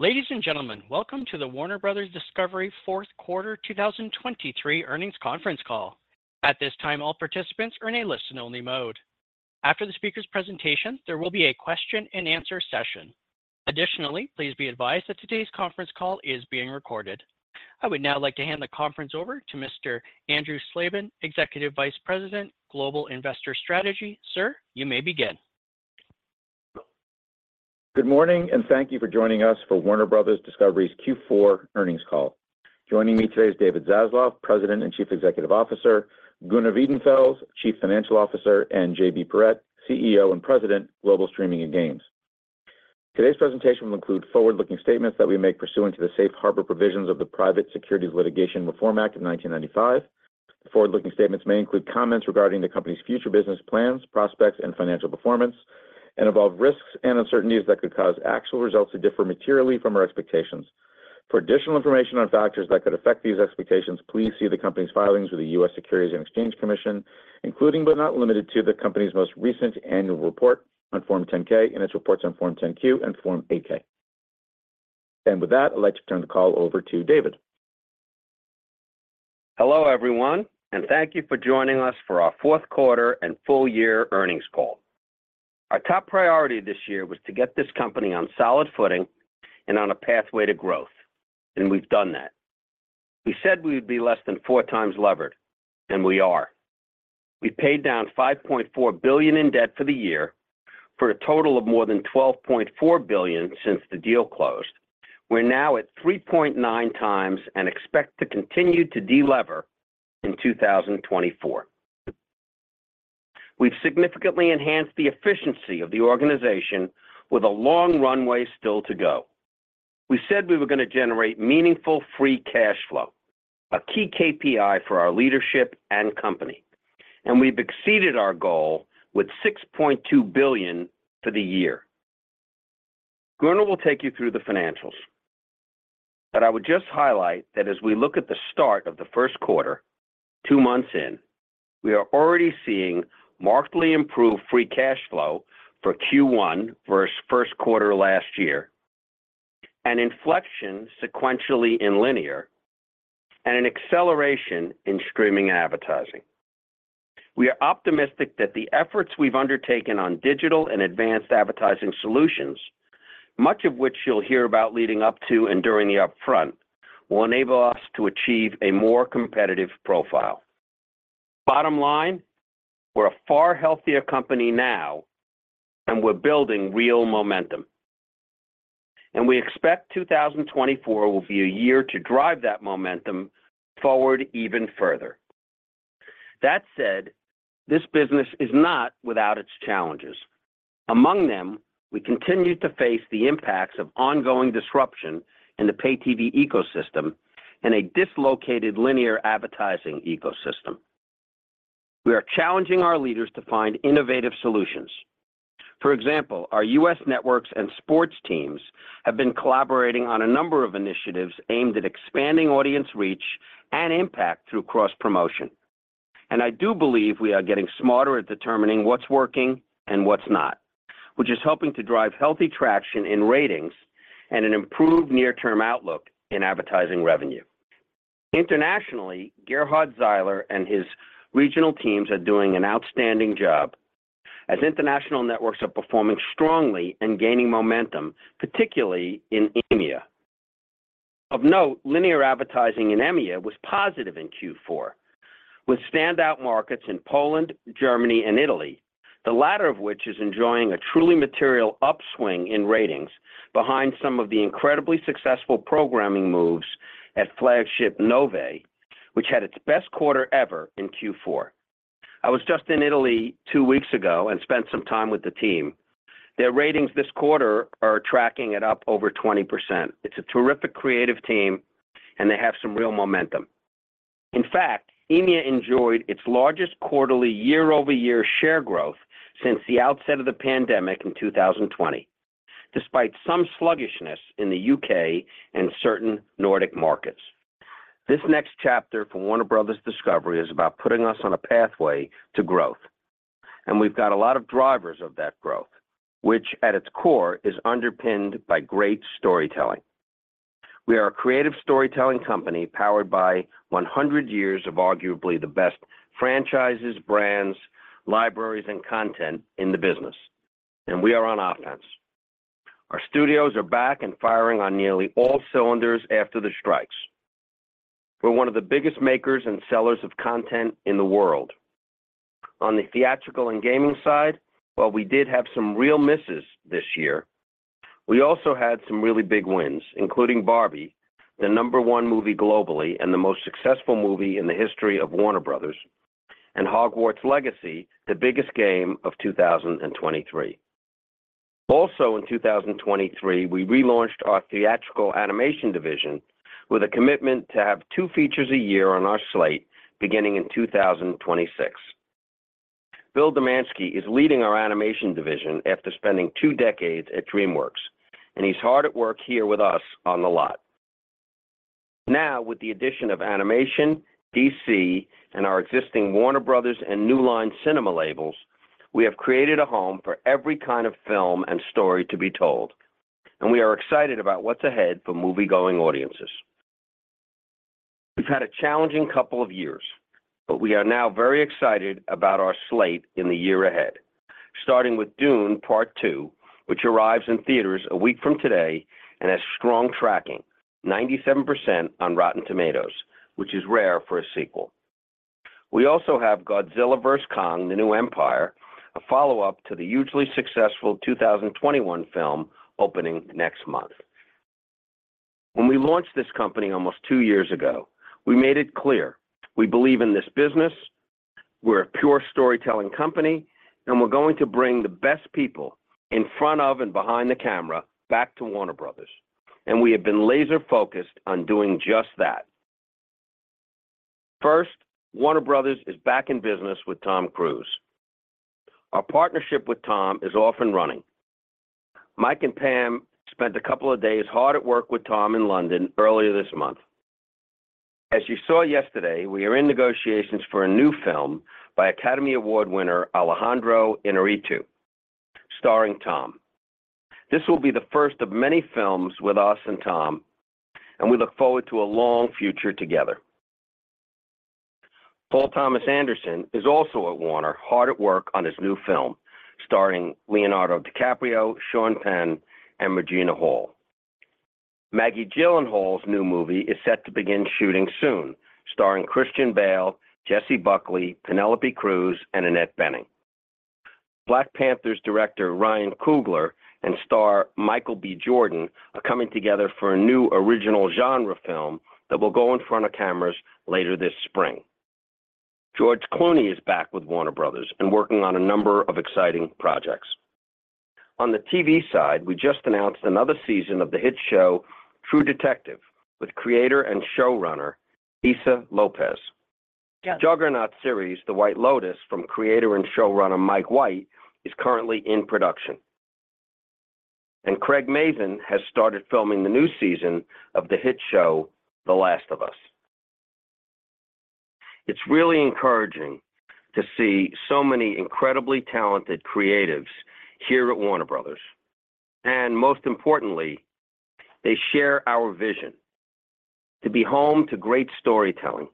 Ladies and gentlemen, welcome to the Warner Bros. Discovery Fourth Quarter 2023 Earnings Conference Call. At this time, all participants are in a listen-only mode. After the speaker's presentation, there will be a question-and-answer session. Additionally, please be advised that today's conference call is being recorded. I would now like to hand the conference over to Mr. Andrew Slabin, Executive Vice President, Global Investor Strategy. Sir, you may begin. Good morning, and thank you for joining us for Warner Bros. Discovery's Q4 Earnings Call. Joining me today is David Zaslav, President and Chief Executive Officer, Gunnar Wiedenfels, Chief Financial Officer, and JB Perrette, CEO and President, Global Streaming & Games. Today's presentation will include forward-looking statements that we make pursuant to the Safe Harbor Provisions of the Private Securities Litigation Reform Act of 1995. The forward-looking statements may include comments regarding the company's future business plans, prospects, and financial performance And involve risks and uncertainties that could cause actual results to differ materially from our expectations. For additional information on factors that could affect these expectations, please see the company's filings with the U.S. Securities and Exchange Commission, including but not limited to the company's most recent annual report on Form 10-K and its reports on Form 10-Q and Form 8-K. With that, I'd like to turn the call over to David. Hello everyone, and thank you for joining us for our fourth quarter and full-year earnings call. Our top priority this year was to get this company on solid footing and on a pathway to growth, and we've done that. We said we would be less than 4 times levered, and we are. We paid down $5.4 billion in debt for the year, for a total of more than $12.4 billion since the deal closed. We're now at 3.9 times and expect to continue to delever in 2024. We've significantly enhanced the efficiency of the organization with a long runway still to go. We said we were going to generate meaningful free cash flow, a key KPI for our leadership and company, and we've exceeded our goal with $6.2 billion for the year. Gunnar will take you through the financials, but I would just highlight that as we look at the start of the first quarter, two months in, we are already seeing markedly improved free cash flow for Q1 versus first quarter last year, an inflection sequentially in linear, and an acceleration in streaming advertising. We are optimistic that the efforts we've undertaken on digital and advanced advertising solutions, much of which you'll hear about leading up to and during the upfront, will enable us to achieve a more competitive profile. Bottom line, we're a far healthier company now, and we're building real momentum. And we expect 2024 will be a year to drive that momentum forward even further. That said, this business is not without its challenges. Among them, we continue to face the impacts of ongoing disruption in the pay-TV ecosystem and a dislocated linear advertising ecosystem. We are challenging our leaders to find innovative solutions. For example, our U.S. networks and sports teams have been collaborating on a number of initiatives aimed at expanding audience reach and impact through cross-promotion. I do believe we are getting smarter at determining what's working and what's not, which is helping to drive healthy traction in ratings and an improved near-term outlook in advertising revenue. Internationally, Gerhard Zeiler and his regional teams are doing an outstanding job, as international networks are performing strongly and gaining momentum, particularly in EMEA. Of note, linear advertising in EMEA was positive in Q4, with standout markets in Poland, Germany, and Italy, the latter of which is enjoying a truly material upswing in ratings behind some of the incredibly successful programming moves at flagship Nove, which had its best quarter ever in Q4. I was just in Italy two weeks ago and spent some time with the team. Their ratings this quarter are tracking at up over 20%. It's a terrific creative team, and they have some real momentum. In fact, EMEA enjoyed its largest quarterly year-over-year share growth since the outset of the pandemic in 2020, despite some sluggishness in the U.K. and certain Nordic markets. This next chapter for Warner Bros. Discovery is about putting us on a pathway to growth, and we've got a lot of drivers of that growth, which at its core is underpinned by great storytelling. We are a creative storytelling company powered by 100 years of arguably the best franchises, brands, libraries, and content in the business, and we are on offense. Our studios are back and firing on nearly all cylinders after the strikes. We're one of the biggest makers and sellers of content in the world. On the theatrical and gaming side, while we did have some real misses this year, we also had some really big wins, including Barbie, the number one movie globally and the most successful movie in the history of Warner Bros., and Hogwarts Legacy, the biggest game of 2023. Also in 2023, we relaunched our theatrical animation division with a commitment to have two features a year on our slate beginning in 2026. Bill Damaschke is leading our animation division after spending two decades at DreamWorks, and he's hard at work here with us on the lot. Now, with the addition of Animation, DC, and our existing Warner Bros. New Line Cinema labels, we have created a home for every kind of film and story to be told, and we are excited about what's ahead for moviegoing audiences. We've had a challenging couple of years, but we are now very excited about our slate in the year ahead, starting with Dune: Part Two, which arrives in theaters a week from today and has strong tracking, 97% on Rotten Tomatoes, which is rare for a sequel. We also have Godzilla x Kong: The New Empire, a follow-up to the hugely successful 2021 film opening next month. When we launched this company almost two years ago, we made it clear we believe in this business, we're a pure storytelling company, and we're going to bring the best people in front of and behind the camera back to Warner Bros., and we have been laser-focused on doing just that. First, Warner Bros. is back in business with Tom Cruise. Our partnership with Tom is off and running. Mike and Pam spent a couple of days hard at work with Tom in London earlier this month. As you saw yesterday, we are in negotiations for a new film by Academy Award winner Alejandro G. Iñárritu, starring Tom. This will be the first of many films with us and Tom, and we look forward to a long future together. Paul Thomas Anderson is also at Warner, hard at work on his new film, starring Leonardo DiCaprio, Sean Penn, and Regina Hall. Maggie Gyllenhaal's new movie is set to begin shooting soon, starring Christian Bale, Jessie Buckley, Penélope Cruz, and Annette Bening. Black Panther's director Ryan Coogler and star Michael B. Jordan are coming together for a new original genre film that will go in front of cameras later this spring. George Clooney is back with Warner Bros. and working on a number of exciting projects. On the TV side, we just announced another season of the hit show True Detective with creator and showrunner Issa López. Juggernaut series The White Lotus from creator and showrunner Mike White is currently in production, and Craig Mazin has started filming the new season of the hit show The Last of Us. It's really encouraging to see so many incredibly talented creatives here at Warner Bros., and most importantly, they share our vision: to be home to great storytelling,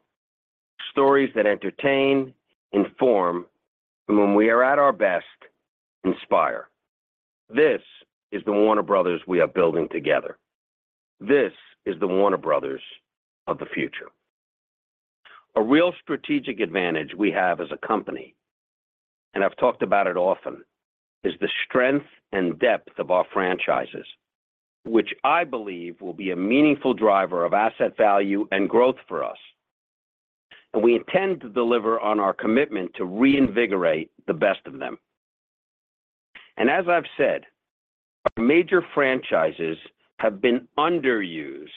stories that entertain, inform, and when we are at our best, inspire. This is the Warner Bros. we are building together. This is the Warner Bros. of the future. A real strategic advantage we have as a company, and I've talked about it often, is the strength and depth of our franchises, which I believe will be a meaningful driver of asset value and growth for us, and we intend to deliver on our commitment to reinvigorate the best of them. As I've said, our major franchises have been underused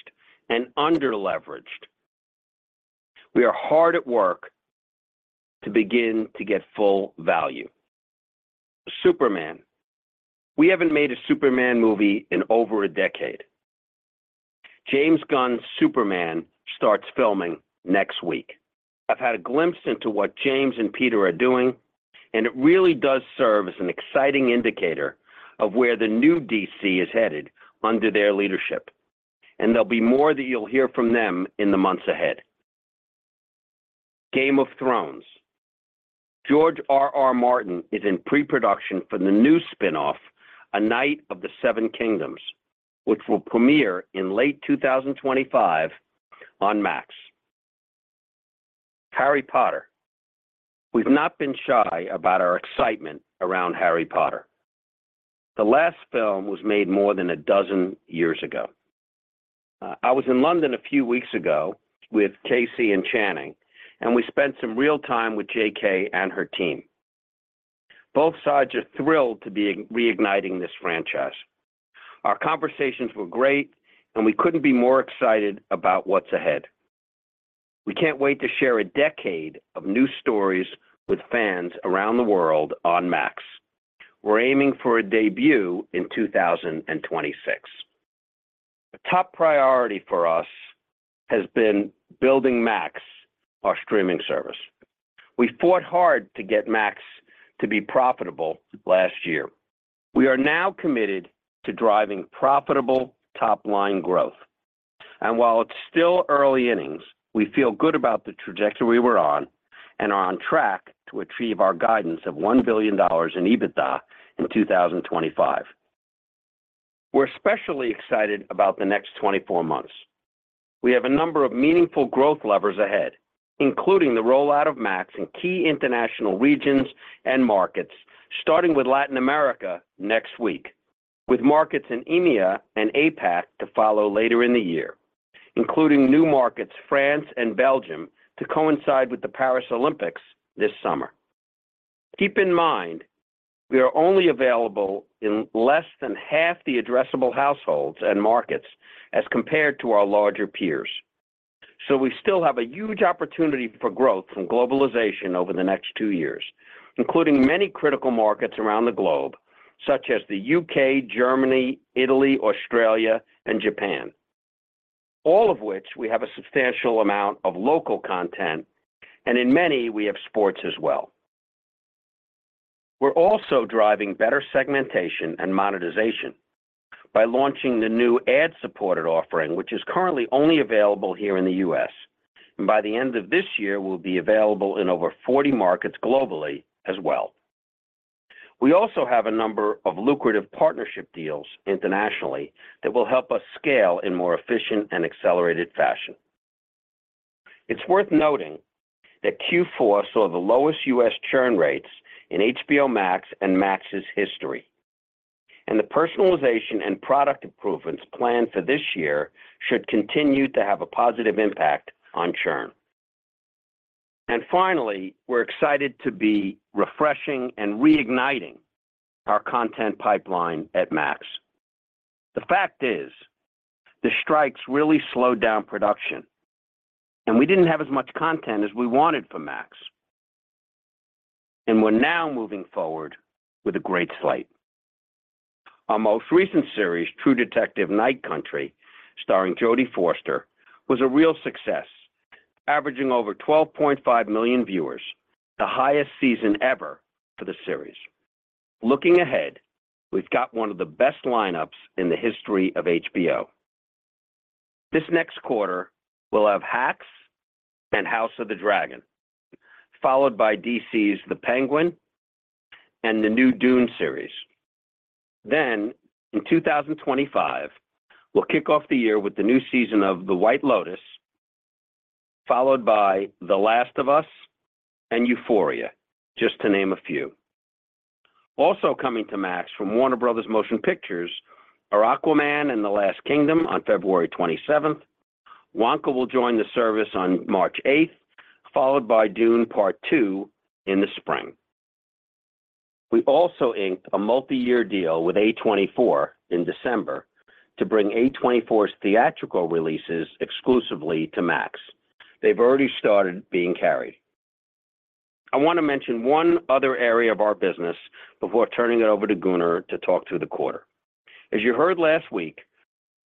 and underleveraged. We are hard at work to begin to get full value. Superman: We haven't made a Superman movie in over a decade. James Gunn's Superman starts filming next week. I've had a glimpse into what James and Peter are doing, and it really does serve as an exciting indicator of where the new DC is headed under their leadership, and there'll be more that you'll hear from them in the months ahead. Game of Thrones: George R.R. Martin is in pre-production for the new spin-off, A Knight of the Seven Kingdoms, which will premiere in late 2025 on Max. Harry Potter: We've not been shy about our excitement around Harry Potter. The last film was made more than a dozen years ago. I was in London a few weeks ago with Casey and Channing, and we spent some real time with J.K. and her team. Both sides are thrilled to be reigniting this franchise. Our conversations were great, and we couldn't be more excited about what's ahead. We can't wait to share a decade of new stories with fans around the world on Max. We're aiming for a debut in 2026. A top priority for us has been building Max, our streaming service. We fought hard to get Max to be profitable last year. We are now committed to driving profitable top-line growth, and while it's still early innings, we feel good about the trajectory we were on and are on track to achieve our guidance of $1 billion in EBITDA in 2025. We're especially excited about the next 24 months. We have a number of meaningful growth levers ahead, including the rollout of Max in key international regions and markets, starting with Latin America next week, with markets in EMEA and APAC to follow later in the year, including new markets France and Belgium to coincide with the Paris Olympics this summer. Keep in mind we are only available in less than half the addressable households and markets as compared to our larger peers, so we still have a huge opportunity for growth from globalization over the next 2 years, including many critical markets around the globe such as the U.K., Germany, Italy, Australia, and Japan, all of which we have a substantial amount of local content, and in many we have sports as well. We're also driving better segmentation and monetization by launching the new ad-supported offering, which is currently only available here in the U.S., and by the end of this year will be available in over 40 markets globally as well. We also have a number of lucrative partnership deals internationally that will help us scale in more efficient and accelerated fashion. It's worth noting that Q4 saw the lowest U.S. churn rates in HBO Max and Max's history, and the personalization and product improvements planned for this year should continue to have a positive impact on churn. And finally, we're excited to be refreshing and reigniting our content pipeline at Max. The fact is, the strikes really slowed down production, and we didn't have as much content as we wanted for Max, and we're now moving forward with a great slate. Our most recent series, True Detective: Night Country, starring Jodie Foster, was a real success, averaging over 12.5 million viewers, the highest season ever for the series. Looking ahead, we've got one of the best lineups in the history of HBO. This next quarter we'll have Hacks and House of the Dragon, followed by DC's The Penguin and the new Dune series. Then, in 2025, we'll kick off the year with the new season of The White Lotus, followed by The Last of Us and Euphoria, just to name a few. Also coming to Max from Warner Bros. Motion Pictures are Aquaman and the Lost Kingdom on February 27th, Wonka will join the service on March 8th, followed by Dune: Part Two, in the spring. We also inked a multi-year deal with A24 in December to bring A24's theatrical releases exclusively to Max. They've already started being carried. I want to mention one other area of our business before turning it over to Gunnar to talk through the quarter. As you heard last week,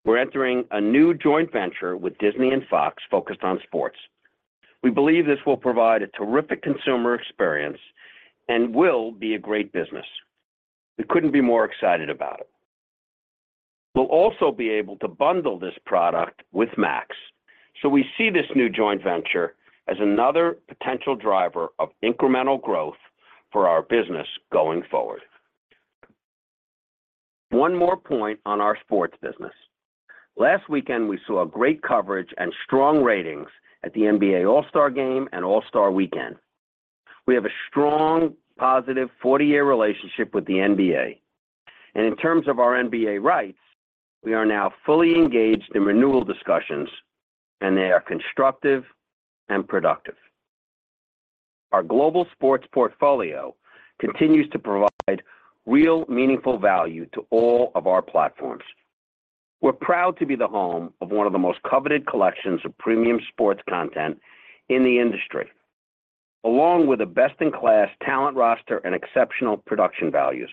we're entering a new joint venture with Disney and Fox focused on sports. We believe this will provide a terrific consumer experience and will be a great business. We couldn't be more excited about it. We'll also be able to bundle this product with Max, so we see this new joint venture as another potential driver of incremental growth for our business going forward. One more point on our sports business. Last weekend we saw great coverage and strong ratings at the NBA All-Star Game and All-Star Weekend. We have a strong, positive 40-year relationship with the NBA, and in terms of our NBA rights, we are now fully engaged in renewal discussions, and they are constructive and productive. Our global sports portfolio continues to provide real, meaningful value to all of our platforms. We're proud to be the home of one of the most coveted collections of premium sports content in the industry, along with a best-in-class talent roster and exceptional production values.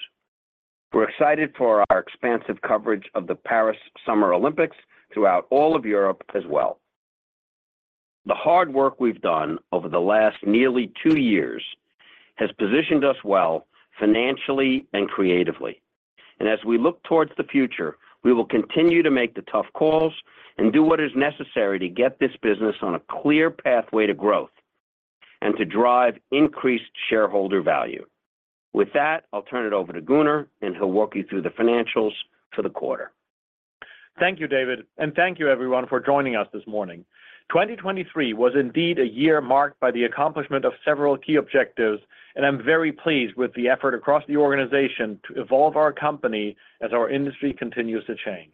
We're excited for our expansive coverage of the Paris Summer Olympics throughout all of Europe as well. The hard work we've done over the last nearly two years has positioned us well financially and creatively, and as we look towards the future, we will continue to make the tough calls and do what is necessary to get this business on a clear pathway to growth and to drive increased shareholder value. With that, I'll turn it over to Gunnar, and he'll walk you through the financials for the quarter. Thank you, David, and thank you, everyone, for joining us this morning. 2023 was indeed a year marked by the accomplishment of several key objectives, and I'm very pleased with the effort across the organization to evolve our company as our industry continues to change.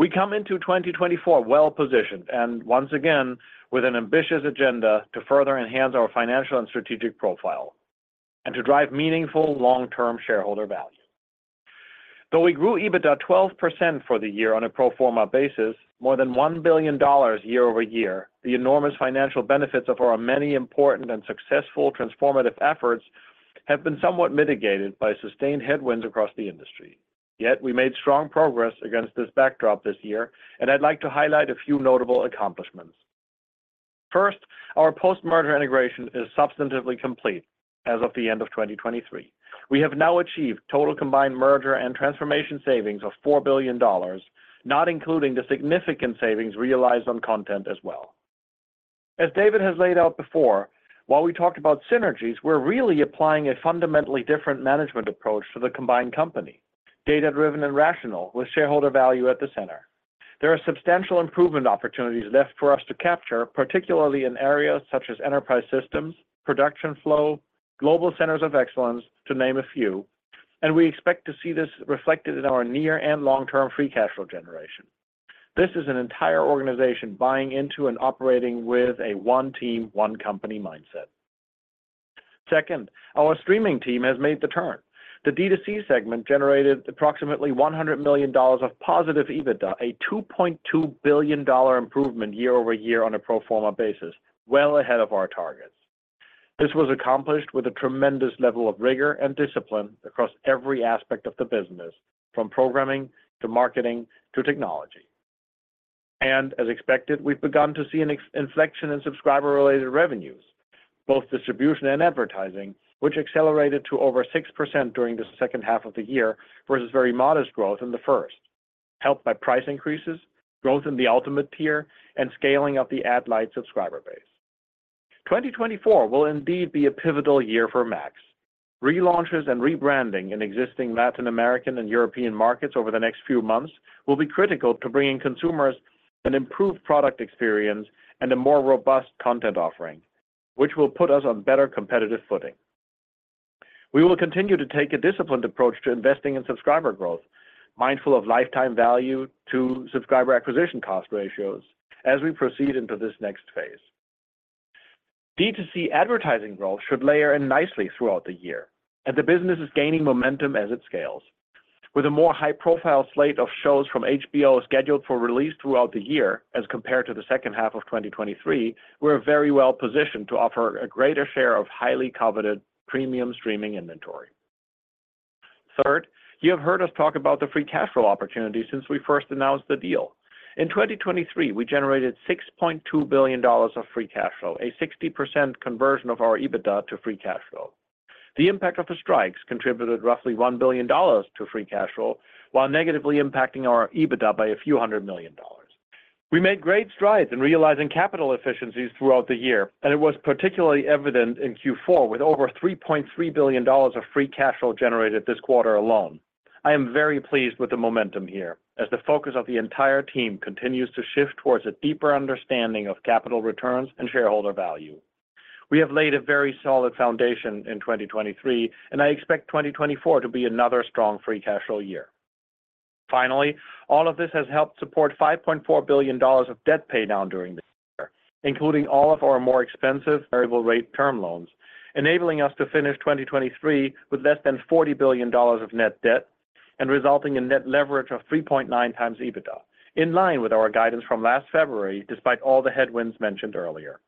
We come into 2024 well-positioned and, once again, with an ambitious agenda to further enhance our financial and strategic profile and to drive meaningful long-term shareholder value. Though we grew EBITDA 12% for the year on a pro forma basis, more than $1 billion year-over-year, the enormous financial benefits of our many important and successful transformative efforts have been somewhat mitigated by sustained headwinds across the industry. Yet we made strong progress against this backdrop this year, and I'd like to highlight a few notable accomplishments. First, our post-merger integration is substantively complete as of the end of 2023. We have now achieved total combined merger and transformation savings of $4 billion, not including the significant savings realized on content as well. As David has laid out before, while we talked about synergies, we're really applying a fundamentally different management approach to the combined company, data-driven and rational, with shareholder value at the center. There are substantial improvement opportunities left for us to capture, particularly in areas such as enterprise systems, production flow, global centers of excellence, to name a few, and we expect to see this reflected in our near- and long-term free cash flow generation. This is an entire organization buying into and operating with a one-team, one-company mindset. Second, our streaming team has made the turn. The D2C segment generated approximately $100 million of positive EBITDA, a $2.2 billion improvement year-over-year on a pro forma basis, well ahead of our targets. This was accomplished with a tremendous level of rigor and discipline across every aspect of the business, from programming to marketing to technology. And as expected, we've begun to see an inflection in subscriber-related revenues, both distribution and advertising, which accelerated to over 6% during the second half of the year versus very modest growth in the first, helped by price increases, growth in the Ultimate tier, and scaling up the Ad-Lite subscriber base. 2024 will indeed be a pivotal year for Max. Relaunches and rebranding in existing Latin American and European markets over the next few months will be critical to bringing consumers an improved product experience and a more robust content offering, which will put us on better competitive footing. We will continue to take a disciplined approach to investing in subscriber growth, mindful of lifetime value-to-subscriber acquisition cost ratios, as we proceed into this next phase. D2C advertising growth should layer in nicely throughout the year, and the business is gaining momentum as it scales. With a more high-profile slate of shows from HBO scheduled for release throughout the year as compared to the second half of 2023, we're very well positioned to offer a greater share of highly coveted premium streaming inventory. Third, you have heard us talk about the free cash flow opportunity since we first announced the deal. In 2023, we generated $6.2 billion of free cash flow, a 60% conversion of our EBITDA to free cash flow. The impact of the strikes contributed roughly $1 billion to free cash flow while negatively impacting our EBITDA by a few hundred million dollars. We made great strides in realizing capital efficiencies throughout the year, and it was particularly evident in Q4 with over $3.3 billion of free cash flow generated this quarter alone. I am very pleased with the momentum here as the focus of the entire team continues to shift towards a deeper understanding of capital returns and shareholder value. We have laid a very solid foundation in 2023, and I expect 2024 to be another strong free cash flow year. Finally, all of this has helped support $5.4 billion of debt paydown during the year, including all of our more expensive variable-rate term loans, enabling us to finish 2023 with less than $40 billion of net debt and resulting in net leverage of 3.9x EBITDA, in line with our guidance from last February despite all the headwinds mentioned earlier.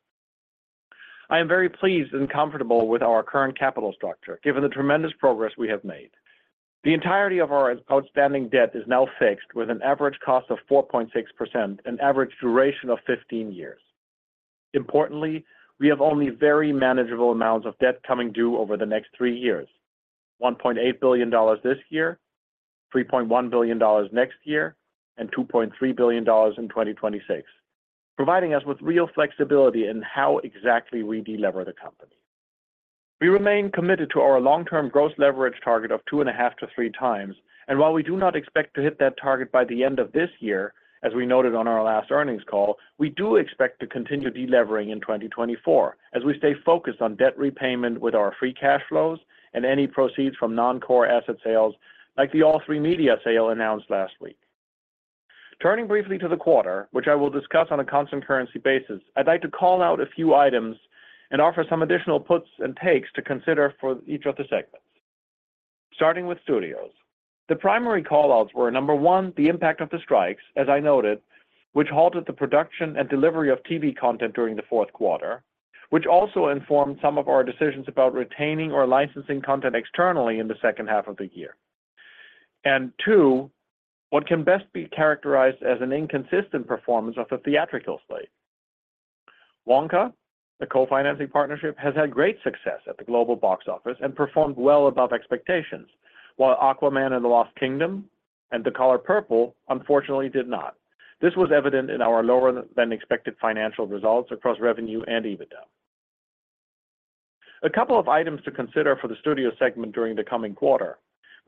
I am very pleased and comfortable with our current capital structure given the tremendous progress we have made. The entirety of our outstanding debt is now fixed with an average cost of 4.6%, an average duration of 15 years. Importantly, we have only very manageable amounts of debt coming due over the next three years: $1.8 billion this year, $3.1 billion next year, and $2.3 billion in 2026, providing us with real flexibility in how exactly we delever the company. We remain committed to our long-term gross leverage target of 2.5x-3x, and while we do not expect to hit that target by the end of this year, as we noted on our last earnings call, we do expect to continue delevering in 2024 as we stay focused on debt repayment with our free cash flows and any proceeds from non-core asset sales like the All3Media sale announced last week. Turning briefly to the quarter, which I will discuss on a constant currency basis, I'd like to call out a few items and offer some additional puts and takes to consider for each of the segments. Starting with studios. The primary callouts were, number one, the impact of the strikes, as I noted, which halted the production and delivery of TV content during the fourth quarter, which also informed some of our decisions about retaining or licensing content externally in the second half of the year. Two, what can best be characterized as an inconsistent performance of the theatrical slate. Wonka, the co-financing partnership, has had great success at the global box office and performed well above expectations, while Aquaman and the Lost Kingdom and The Color Purple, unfortunately, did not. This was evident in our lower-than-expected financial results across revenue and EBITDA. A couple of items to consider for the studio segment during the coming quarter.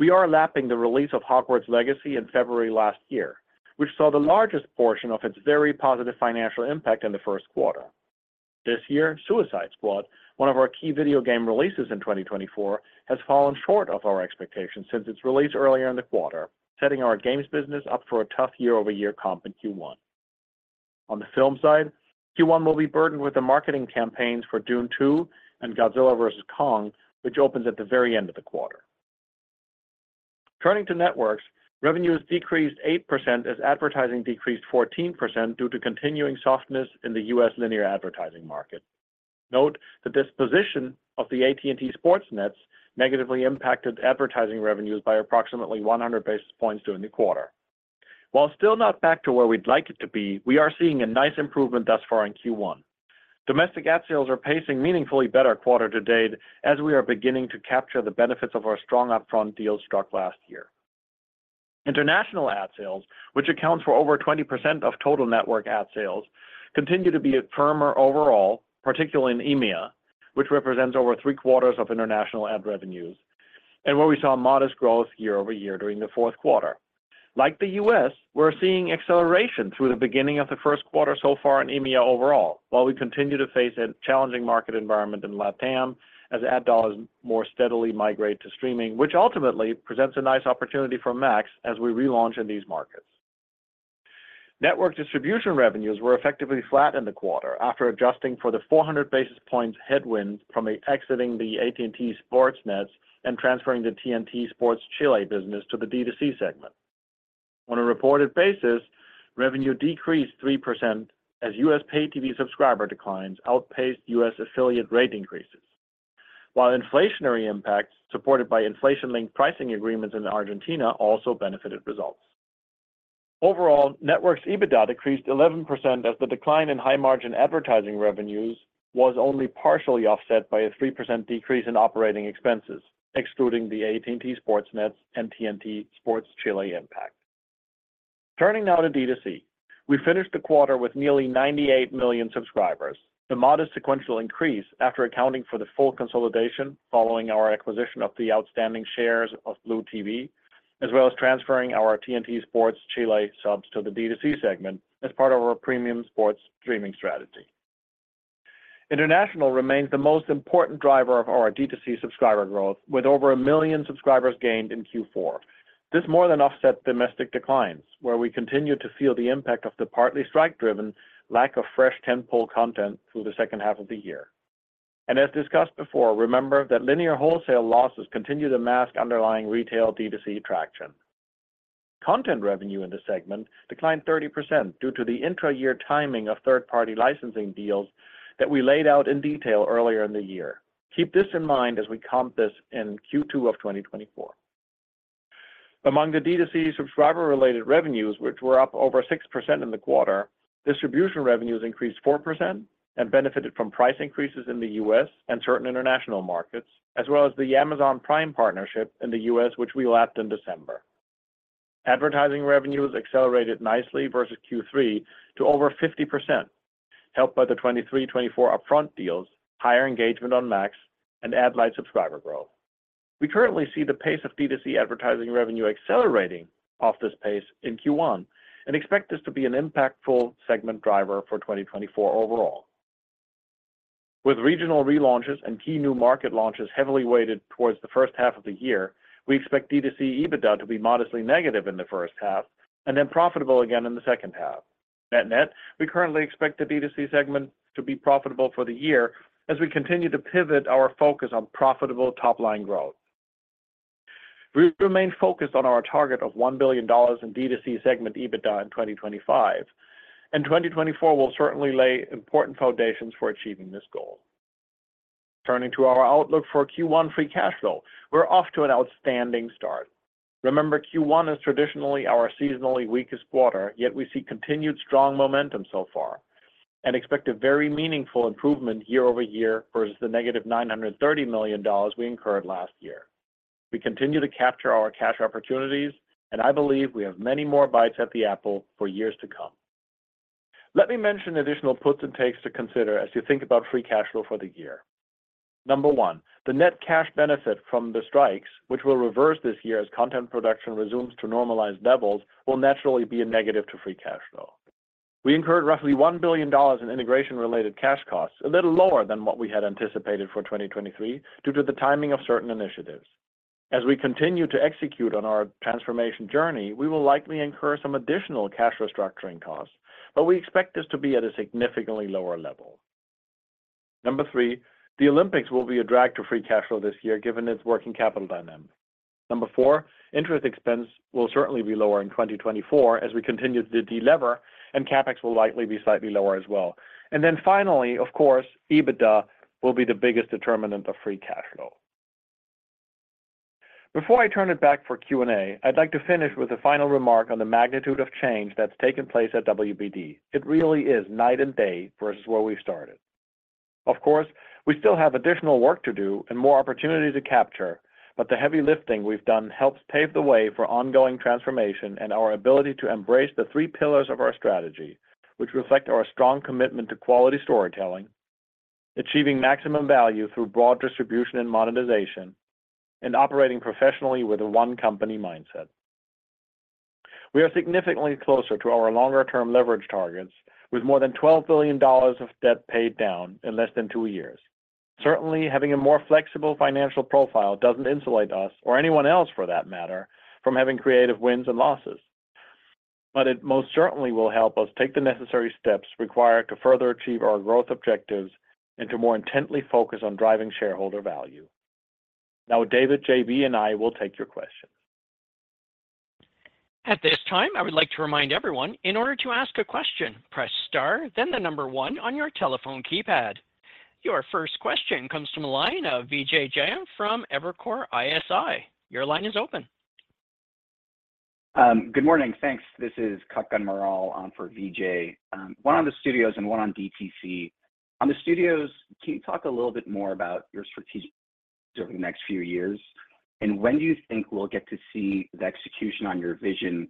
We are lapping the release of Hogwarts Legacy in February last year, which saw the largest portion of its very positive financial impact in the first quarter. This year, Suicide Squad, one of our key video game releases in 2024, has fallen short of our expectations since its release earlier in the quarter, setting our games business up for a tough year-over-year comp in Q1. On the film side, Q1 will be burdened with the marketing campaigns for Dune 2 and Godzilla x Kong, which opens at the very end of the quarter. Turning to networks, revenues decreased 8% as advertising decreased 14% due to continuing softness in the U.S. linear advertising market. Note that disposition of the AT&T Sports nets negatively impacted advertising revenues by approximately 100 basis points during the quarter. While still not back to where we'd like it to be, we are seeing a nice improvement thus far in Q1. Domestic ad sales are pacing meaningfully better quarter to date as we are beginning to capture the benefits of our strong upfront deals struck last year. International ad sales, which accounts for over 20% of total network ad sales, continue to be firmer overall, particularly in EMEA, which represents over three-quarters of international ad revenues, and where we saw modest growth year-over-year during the fourth quarter. Like the U.S., we're seeing acceleration through the beginning of the first quarter so far in EMEA overall, while we continue to face a challenging market environment in LATAM as ad dollars more steadily migrate to streaming, which ultimately presents a nice opportunity for Max as we relaunch in these markets. Network distribution revenues were effectively flat in the quarter after adjusting for the 400 basis points headwind from exiting the AT&T Sports nets and transferring the TNT Sports Chile business to the D2C segment. On a reported basis, revenue decreased 3% as U.S. pay-TV subscriber declines outpaced U.S. affiliate rate increases, while inflationary impacts supported by inflation-linked pricing agreements in Argentina also benefited results. Overall, network's EBITDA decreased 11% as the decline in high-margin advertising revenues was only partially offset by a 3% decrease in operating expenses, excluding the AT&T Sports nets and TNT Sports Chile impact. Turning now to D2C. We finished the quarter with nearly 98 million subscribers, a modest sequential increase after accounting for the full consolidation following our acquisition of the outstanding shares of BluTV, as well as transferring our TNT Sports Chile subs to the D2C segment as part of our premium sports streaming strategy. International remains the most important driver of our D2C subscriber growth, with over 1 million subscribers gained in Q4. This more than offset domestic declines, where we continue to feel the impact of the partly strike-driven lack of fresh tentpole content through the second half of the year. And as discussed before, remember that linear wholesale losses continue to mask underlying retail D2C traction. Content revenue in the segment declined 30% due to the intra-year timing of third-party licensing deals that we laid out in detail earlier in the year. Keep this in mind as we comp this in Q2 of 2024. Among the D2C subscriber-related revenues, which were up over 6% in the quarter, distribution revenues increased 4% and benefited from price increases in the U.S. and certain international markets, as well as the Amazon Prime partnership in the U.S., which we lapped in December. Advertising revenues accelerated nicely versus Q3 to over 50%, helped by the 23/24 upfront deals, higher engagement on Max, and Ad-Lite subscriber growth. We currently see the pace of D2C advertising revenue accelerating off this pace in Q1 and expect this to be an impactful segment driver for 2024 overall. With regional relaunches and key new market launches heavily weighted towards the first half of the year, we expect D2C EBITDA to be modestly negative in the first half and then profitable again in the second half. Net-net, we currently expect the D2C segment to be profitable for the year as we continue to pivot our focus on profitable top-line growth. We remain focused on our target of $1 billion in D2C segment EBITDA in 2025, and 2024 will certainly lay important foundations for achieving this goal. Turning to our outlook for Q1 free cash flow, we're off to an outstanding start. Remember, Q1 is traditionally our seasonally weakest quarter, yet we see continued strong momentum so far and expect a very meaningful improvement year-over-year versus the -$930 million we incurred last year. We continue to capture our cash opportunities, and I believe we have many more bites at the apple for years to come. Let me mention additional puts and takes to consider as you think about free cash flow for the year. Number 1, the net cash benefit from the strikes, which will reverse this year as content production resumes to normalized levels, will naturally be a negative to free cash flow. We incurred roughly $1 billion in integration-related cash costs, a little lower than what we had anticipated for 2023 due to the timing of certain initiatives. As we continue to execute on our transformation journey, we will likely incur some additional cash restructuring costs, but we expect this to be at a significantly lower level. Number 3, the Olympics will be a drag to free cash flow this year given its working capital dynamic. Number 4, interest expense will certainly be lower in 2024 as we continue to delever, and CapEx will likely be slightly lower as well. And then finally, of course, EBITDA will be the biggest determinant of free cash flow. Before I turn it back for Q&A, I'd like to finish with a final remark on the magnitude of change that's taken place at WBD. It really is night and day versus where we've started. Of course, we still have additional work to do and more opportunities to capture, but the heavy lifting we've done helps pave the way for ongoing transformation and our ability to embrace the three pillars of our strategy, which reflect our strong commitment to quality storytelling, achieving maximum value through broad distribution and monetization, and operating professionally with a one-company mindset. We are significantly closer to our longer-term leverage targets with more than $12 billion of debt paid down in less than two years. Certainly, having a more flexible financial profile doesn't insulate us or anyone else, for that matter, from having creative wins and losses, but it most certainly will help us take the necessary steps required to further achieve our growth objectives and to more intently focus on driving shareholder value. Now, David, J.B., and I will take your questions. At this time, I would like to remind everyone, in order to ask a question, press star, then 1 on your telephone keypad. Your first question comes from a line of Vijay Jayant from Evercore ISI. Your line is open. Good morning. Thanks. This is Kutgun Maral for Vijay, one on the studios and one on DTC. On the studios, can you talk a little bit more about your strategy over the next few years, and when do you think we'll get to see the execution on your vision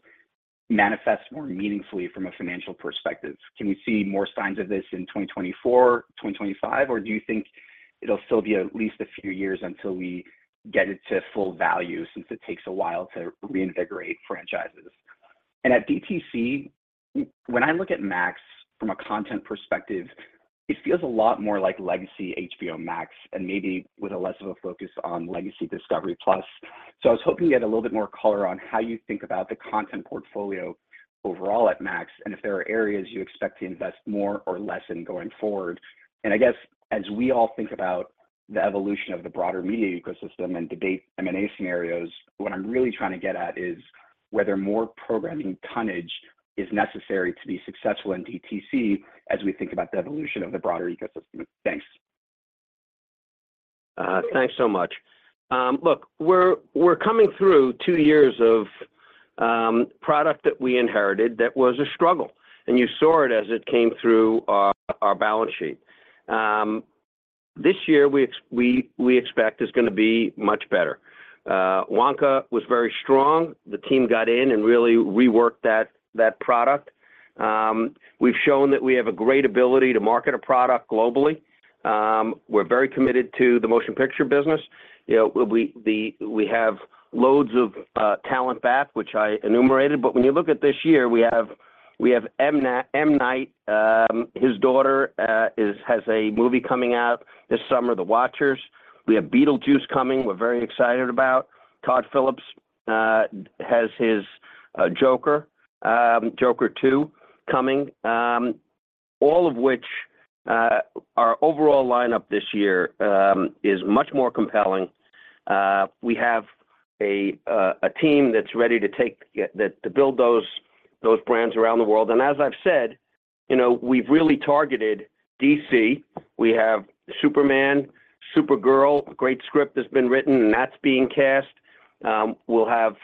manifest more meaningfully from a financial perspective? Can we see more signs of this in 2024, 2025, or do you think it'll still be at least a few years until we get it to full value since it takes a while to reinvigorate franchises? And at DTC, when I look at Max from a content perspective, it feels a lot more like legacy HBO Max and maybe with less of a focus on legacy Discovery+. I was hoping to get a little bit more color on how you think about the content portfolio overall at Max and if there are areas you expect to invest more or less in going forward. I guess as we all think about the evolution of the broader media ecosystem and debate M&A scenarios, what I'm really trying to get at is whether more programming tonnage is necessary to be successful in DTC as we think about the evolution of the broader ecosystem. Thanks. Thanks so much. Look, we're coming through two years of product that we inherited that was a struggle, and you saw it as it came through our balance sheet. This year, we expect it's going to be much better. Wonka was very strong. The team got in and really reworked that product. We've shown that we have a great ability to market a product globally. We're very committed to the motion picture business. We have loads of talent back, which I enumerated, but when you look at this year, we have M. Night, his daughter has a movie coming out this summer, The Watchers. We have Beetlejuice coming, we're very excited about. Todd Phillips has his Joker, Joker 2, coming, all of which our overall lineup this year is much more compelling. We have a team that's ready to build those brands around the world. As I've said, we've really targeted DC. We have Superman, Supergirl, a great script that's been written, and that's being cast. We'll have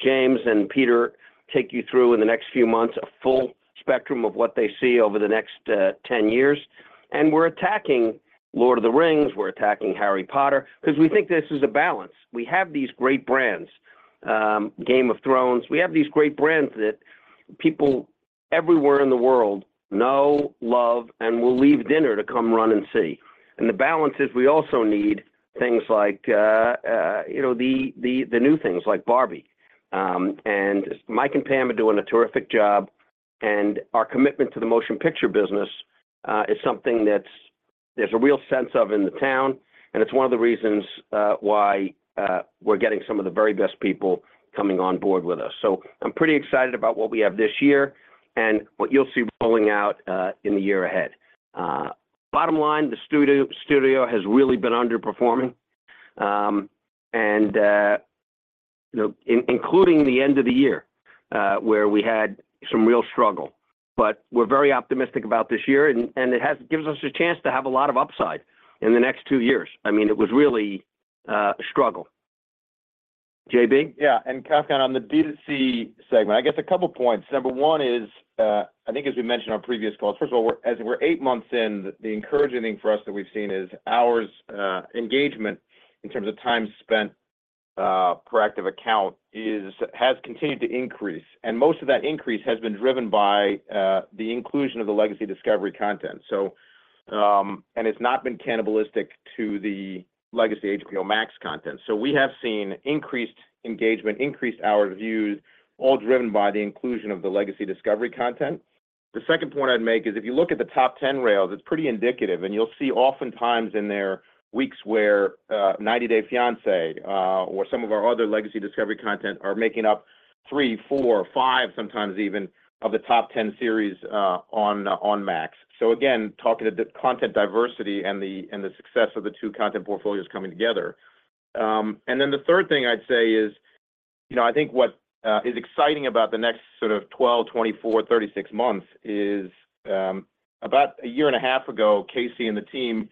James and Peter take you through in the next few months a full spectrum of what they see over the next 10 years. We're attacking Lord of the Rings. We're attacking Harry Potter because we think this is a balance. We have these great brands, Game of Thrones. We have these great brands that people everywhere in the world know, love, and will leave dinner to come run and see. The balance is we also need things like the new things like Barbie. And Mike and Pam are doing a terrific job, and our commitment to the motion picture business is something that there's a real sense of in the town, and it's one of the reasons why we're getting some of the very best people coming on board with us. So I'm pretty excited about what we have this year and what you'll see rolling out in the year ahead. Bottom line, the studio has really been underperforming, including the end of the year where we had some real struggle. But we're very optimistic about this year, and it gives us a chance to have a lot of upside in the next two years. I mean, it was really a struggle. JB? Yeah. Kathleen, on the D2C segment, I guess a couple of points. Number one is, I think as we mentioned on previous calls, first of all, as we're 8 months in, the encouraging thing for us that we've seen is our engagement in terms of time spent per active account has continued to increase. And most of that increase has been driven by the inclusion of the legacy Discovery content, and it's not been cannibalistic to the legacy HBO Max content. So we have seen increased engagement, increased hours viewed, all driven by the inclusion of the legacy Discovery content. The second point I'd make is if you look at the top 10 rails, it's pretty indicative, and you'll see oftentimes in there weeks where 90 Day Fiancé or some of our other legacy Discovery content are making up three, four, five, sometimes even, of the top 10 series on Max. So again, talking to content diversity and the success of the two content portfolios coming together. And then the third thing I'd say is I think what is exciting about the next sort of 12, 24, 36 months is about a year and a half ago Casey and the team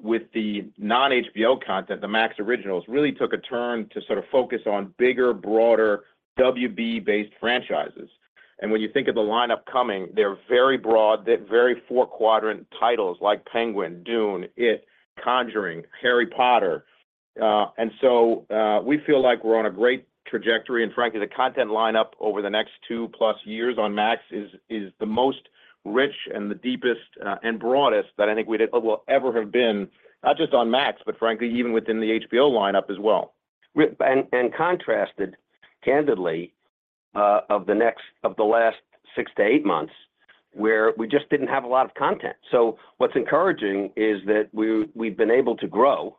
with the non-HBO content, the Max Originals, really took a turn to sort of focus on bigger, broader WB-based franchises. And when you think of the lineup coming, they're very broad, very four-quadrant titles like Penguin, Dune, It, Conjuring, Harry Potter. So we feel like we're on a great trajectory. Frankly, the content lineup over the next 2+ years on Max is the most rich and the deepest and broadest that I think we will ever have been, not just on Max, but frankly, even within the HBO lineup as well. In contrast, candidly, to the last 6-8 months where we just didn't have a lot of content. So what's encouraging is that we've been able to grow,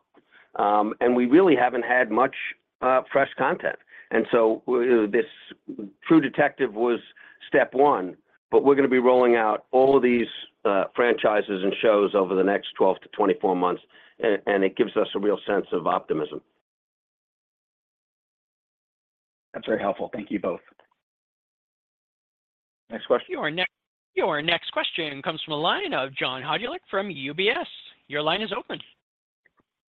and we really haven't had much fresh content. And so this True Detective was step one, but we're going to be rolling out all of these franchises and shows over the next 12-24 months, and it gives us a real sense of optimism. That's very helpful. Thank you both. Next question. Your next question comes from a line of John Hodulik from UBS. Your line is open.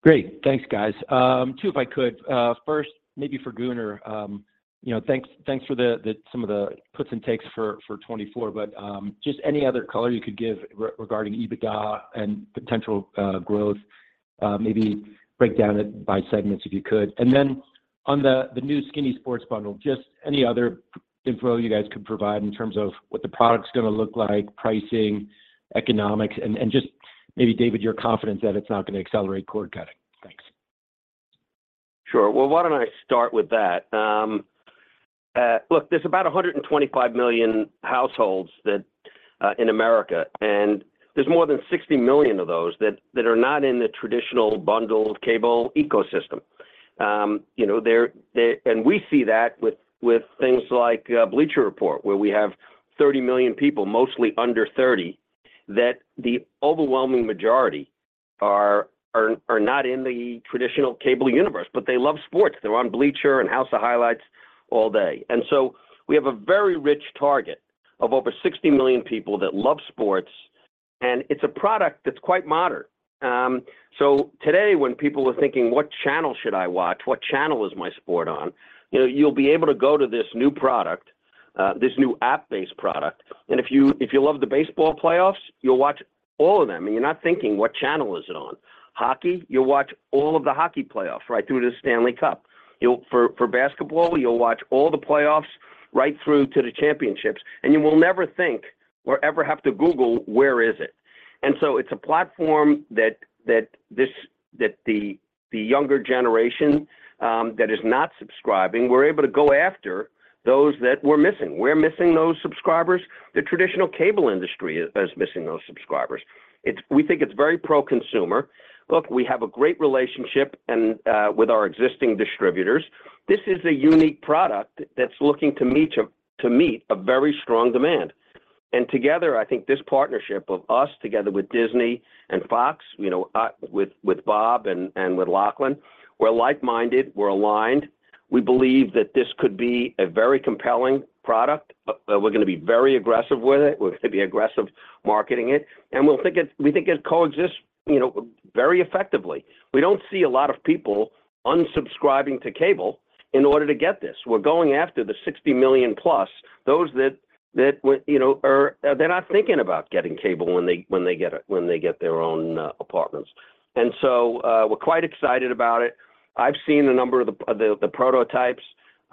Great. Thanks, guys. Two, if I could. First, maybe for Gunnar, thanks for some of the puts and takes for 2024, but just any other color you could give regarding EBITDA and potential growth, maybe break down it by segments if you could. And then on the new Skinny Sports bundle, just any other info you guys could provide in terms of what the product's going to look like, pricing, economics, and just maybe, David, your confidence that it's not going to accelerate cord cutting. Thanks. Sure. Well, why don't I start with that? Look, there's about 125 million households in America, and there's more than 60 million of those that are not in the traditional bundled cable ecosystem. And we see that with things like Bleacher Report, where we have 30 million people, mostly under 30, that the overwhelming majority are not in the traditional cable universe, but they love sports. They're on Bleacher and House of Highlights all day. And so we have a very rich target of over 60 million people that love sports, and it's a product that's quite modern. So today, when people are thinking, "What channel should I watch? What channel is my sport on?" you'll be able to go to this new product, this new app-based product. And if you love the baseball playoffs, you'll watch all of them, and you're not thinking, "What channel is it on?" Hockey, you'll watch all of the hockey playoffs right through to the Stanley Cup. For basketball, you'll watch all the playoffs right through to the championships, and you will never think or ever have to Google, "Where is it?" And so it's a platform that the younger generation that is not subscribing, we're able to go after those that we're missing. We're missing those subscribers. The traditional cable industry is missing those subscribers. We think it's very pro-consumer. Look, we have a great relationship with our existing distributors. This is a unique product that's looking to meet a very strong demand. And together, I think this partnership of us together with Disney and Fox, with Bob and with Lachlan, we're like-minded, we're aligned. We believe that this could be a very compelling product. We're going to be very aggressive with it. We're going to be aggressive marketing it. We think it coexists very effectively. We don't see a lot of people unsubscribing to cable in order to get this. We're going after the 60 million-plus, those that they're not thinking about getting cable when they get their own apartments. We're quite excited about it. I've seen a number of the prototypes.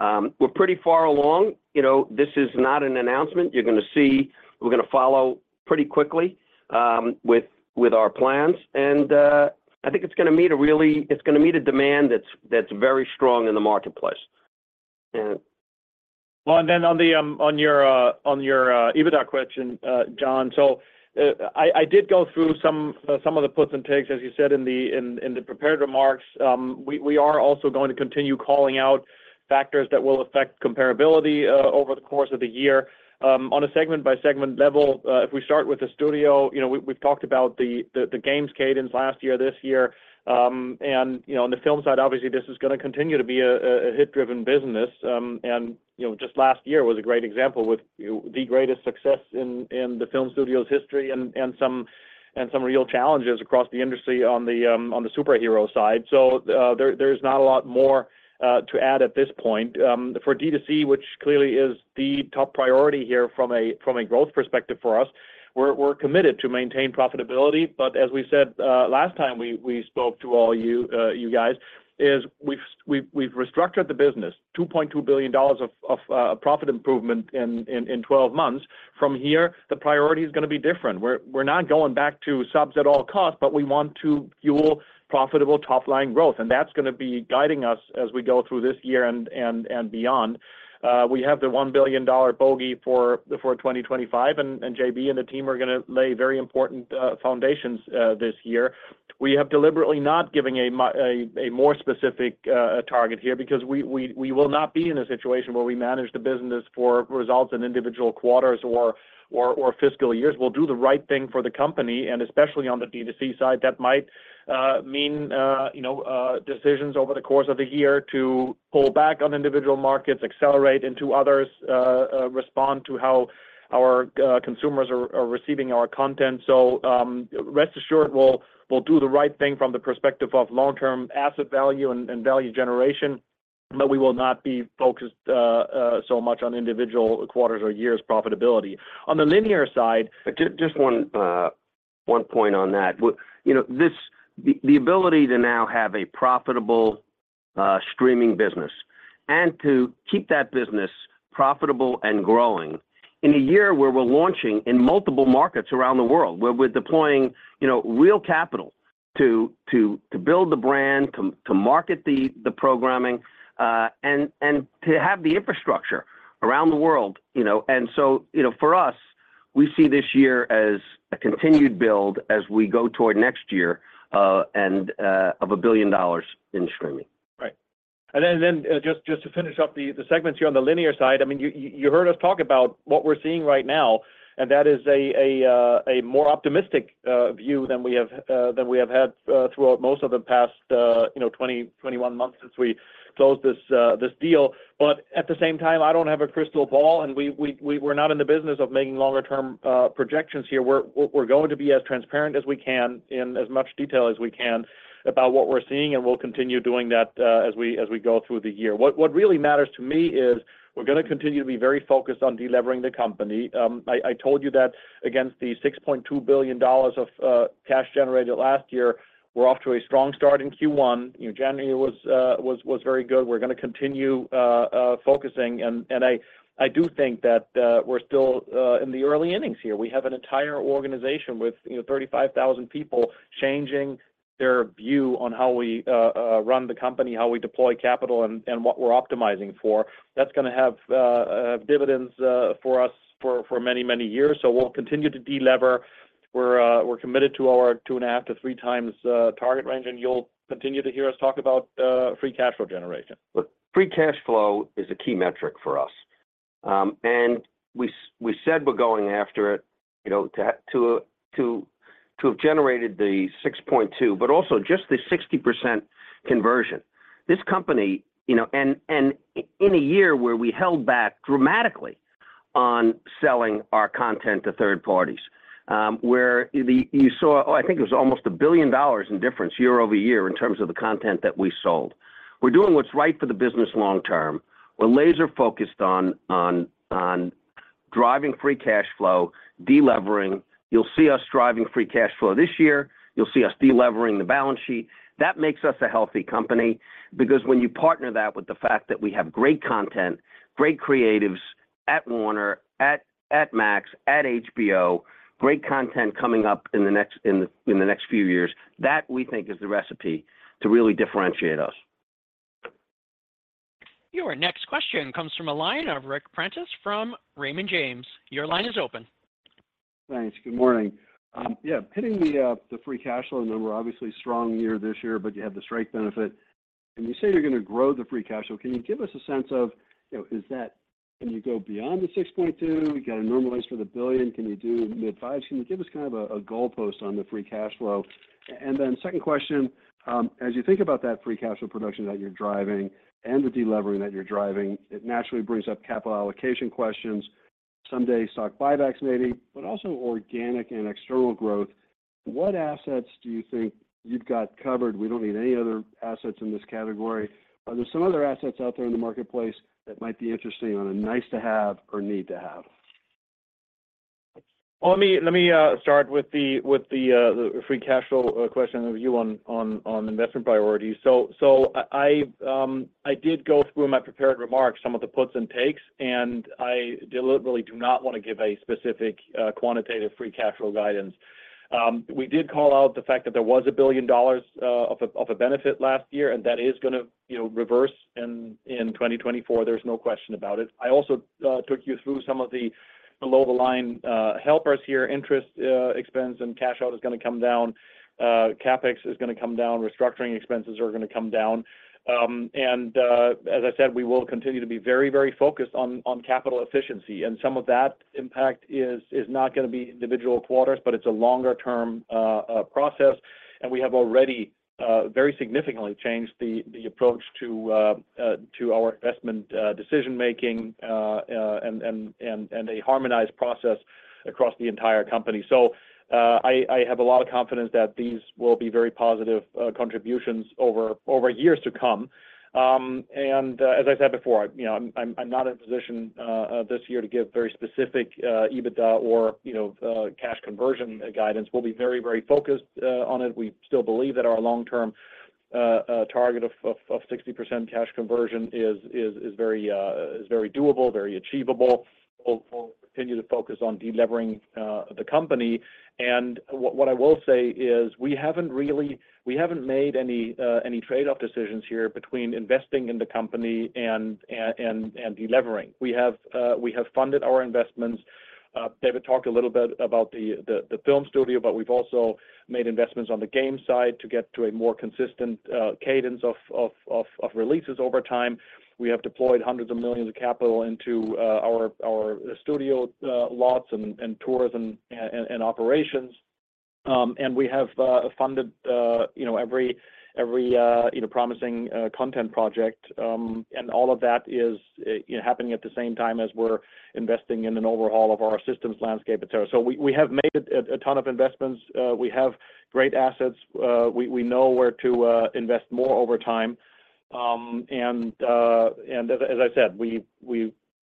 We're pretty far along. This is not an announcement. You're going to see we're going to follow pretty quickly with our plans. I think it's going to meet a really it's going to meet a demand that's very strong in the marketplace. Well, and then on your EBITDA question, John, so I did go through some of the puts and takes, as you said, in the prepared remarks. We are also going to continue calling out factors that will affect comparability over the course of the year. On a segment-by-segment level, if we start with the studio, we've talked about the games cadence last year, this year. On the film side, obviously, this is going to continue to be a hit-driven business. Just last year was a great example with the greatest success in the film studio's history and some real challenges across the industry on the superhero side. So there is not a lot more to add at this point. For DTC, which clearly is the top priority here from a growth perspective for us, we're committed to maintain profitability. But as we said last time we spoke to all you guys, we've restructured the business, $2.2 billion of profit improvement in 12 months. From here, the priority is going to be different. We're not going back to subs at all costs, but we want to fuel profitable top-line growth. And that's going to be guiding us as we go through this year and beyond. We have the $1 billion bogey for 2025, and JB and the team are going to lay very important foundations this year. We have deliberately not given a more specific target here because we will not be in a situation where we manage the business for results in individual quarters or fiscal years. We'll do the right thing for the company, and especially on the DTC side, that might mean decisions over the course of the year to pull back on individual markets, accelerate into others, respond to how our consumers are receiving our content. So rest assured, we'll do the right thing from the perspective of long-term asset value and value generation, but we will not be focused so much on individual quarters or year's profitability. On the linear side. Just one point on that. The ability to now have a profitable streaming business and to keep that business profitable and growing in a year where we're launching in multiple markets around the world, where we're deploying real capital to build the brand, to market the programming, and to have the infrastructure around the world. And so for us, we see this year as a continued build as we go toward next year of $1 billion in streaming. Right. And then just to finish up the segments here on the linear side, I mean, you heard us talk about what we're seeing right now, and that is a more optimistic view than we have had throughout most of the past 20-21 months since we closed this deal. But at the same time, I don't have a crystal ball, and we're not in the business of making longer-term projections here. We're going to be as transparent as we can in as much detail as we can about what we're seeing, and we'll continue doing that as we go through the year. What really matters to me is we're going to continue to be very focused on delivering the company. I told you that against the $6.2 billion of cash generated last year, we're off to a strong start in Q1. January was very good. We're going to continue focusing. I do think that we're still in the early innings here. We have an entire organization with 35,000 people changing their view on how we run the company, how we deploy capital, and what we're optimizing for. That's going to have dividends for us for many, many years. So we'll continue to deliver. We're committed to our 2.5x-3x target range, and you'll continue to hear us talk about free cash flow generation. Free cash flow is a key metric for us. We said we're going after it to have generated the $6.2, but also just the 60% conversion. This company and in a year where we held back dramatically on selling our content to third parties, where you saw, oh, I think it was almost $1 billion in difference year-over-year in terms of the content that we sold. We're doing what's right for the business long term. We're laser-focused on driving free cash flow, delivering. You'll see us driving free cash flow this year. You'll see us delivering the balance sheet. That makes us a healthy company because when you partner that with the fact that we have great content, great creatives at Warner, at Max, at HBO, great content coming up in the next few years, that we think is the recipe to really differentiate us. Your next question comes from a line of Ric Prentiss from Raymond James. Your line is open. Thanks. Good morning. Yeah, hitting the free cash flow number, obviously, strong year this year, but you have the strike benefit. And you say you're going to grow the free cash flow. Can you give us a sense of can you go beyond the $6.2 billion? You got to normalize for the $1 billion. Can you do mid-$5 billion? Can you give us kind of a goalpost on the free cash flow? And then second question, as you think about that free cash flow production that you're driving and the delivering that you're driving, it naturally brings up capital allocation questions, someday stock buybacks maybe, but also organic and external growth. What assets do you think you've got covered? We don't need any other assets in this category. Are there some other assets out there in the marketplace that might be interesting on a nice-to-have or need-to-have? Well, let me start with the free cash flow question of you on investment priorities. So I did go through in my prepared remarks some of the puts and takes, and I literally do not want to give a specific quantitative free cash flow guidance. We did call out the fact that there was $1 billion of a benefit last year, and that is going to reverse in 2024. There's no question about it. I also took you through some of the below-the-line helpers here. Interest expense and cash out is going to come down. CapEx is going to come down. Restructuring expenses are going to come down. And as I said, we will continue to be very, very focused on capital efficiency. And some of that impact is not going to be individual quarters, but it's a longer-term process. We have already very significantly changed the approach to our investment decision-making and a harmonized process across the entire company. So I have a lot of confidence that these will be very positive contributions over years to come. And as I said before, I'm not in a position this year to give very specific EBITDA or cash conversion guidance. We'll be very, very focused on it. We still believe that our long-term target of 60% cash conversion is very doable, very achievable. We'll continue to focus on delivering the company. And what I will say is we haven't really made any trade-off decisions here between investing in the company and delivering. We have funded our investments. David talked a little bit about the film studio, but we've also made investments on the game side to get to a more consistent cadence of releases over time. We have deployed hundreds of millions of capital into our studio lots and tours and operations. We have funded every promising content project. All of that is happening at the same time as we're investing in an overhaul of our systems landscape, etc. We have made a ton of investments. We have great assets. We know where to invest more over time. As I said,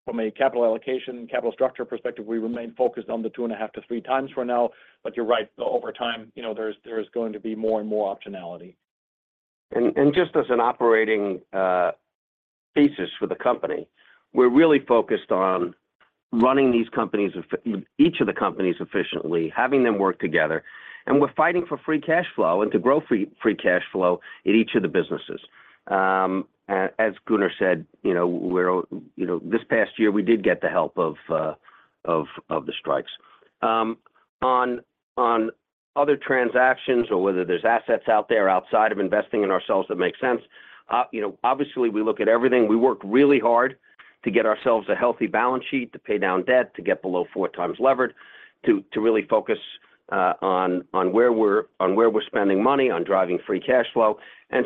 from a capital allocation and capital structure perspective, we remain focused on the 2.5-3 times for now. But you're right. Over time, there's going to be more and more optionality. Just as an operating thesis for the company, we're really focused on running each of the companies efficiently, having them work together. We're fighting for free cash flow and to grow free cash flow in each of the businesses. As Gunnar said, this past year, we did get the help of the strikes. On other transactions or whether there's assets out there outside of investing in ourselves that make sense, obviously, we look at everything. We work really hard to get ourselves a healthy balance sheet, to pay down debt, to get below 4 times levered, to really focus on where we're spending money, on driving free cash flow.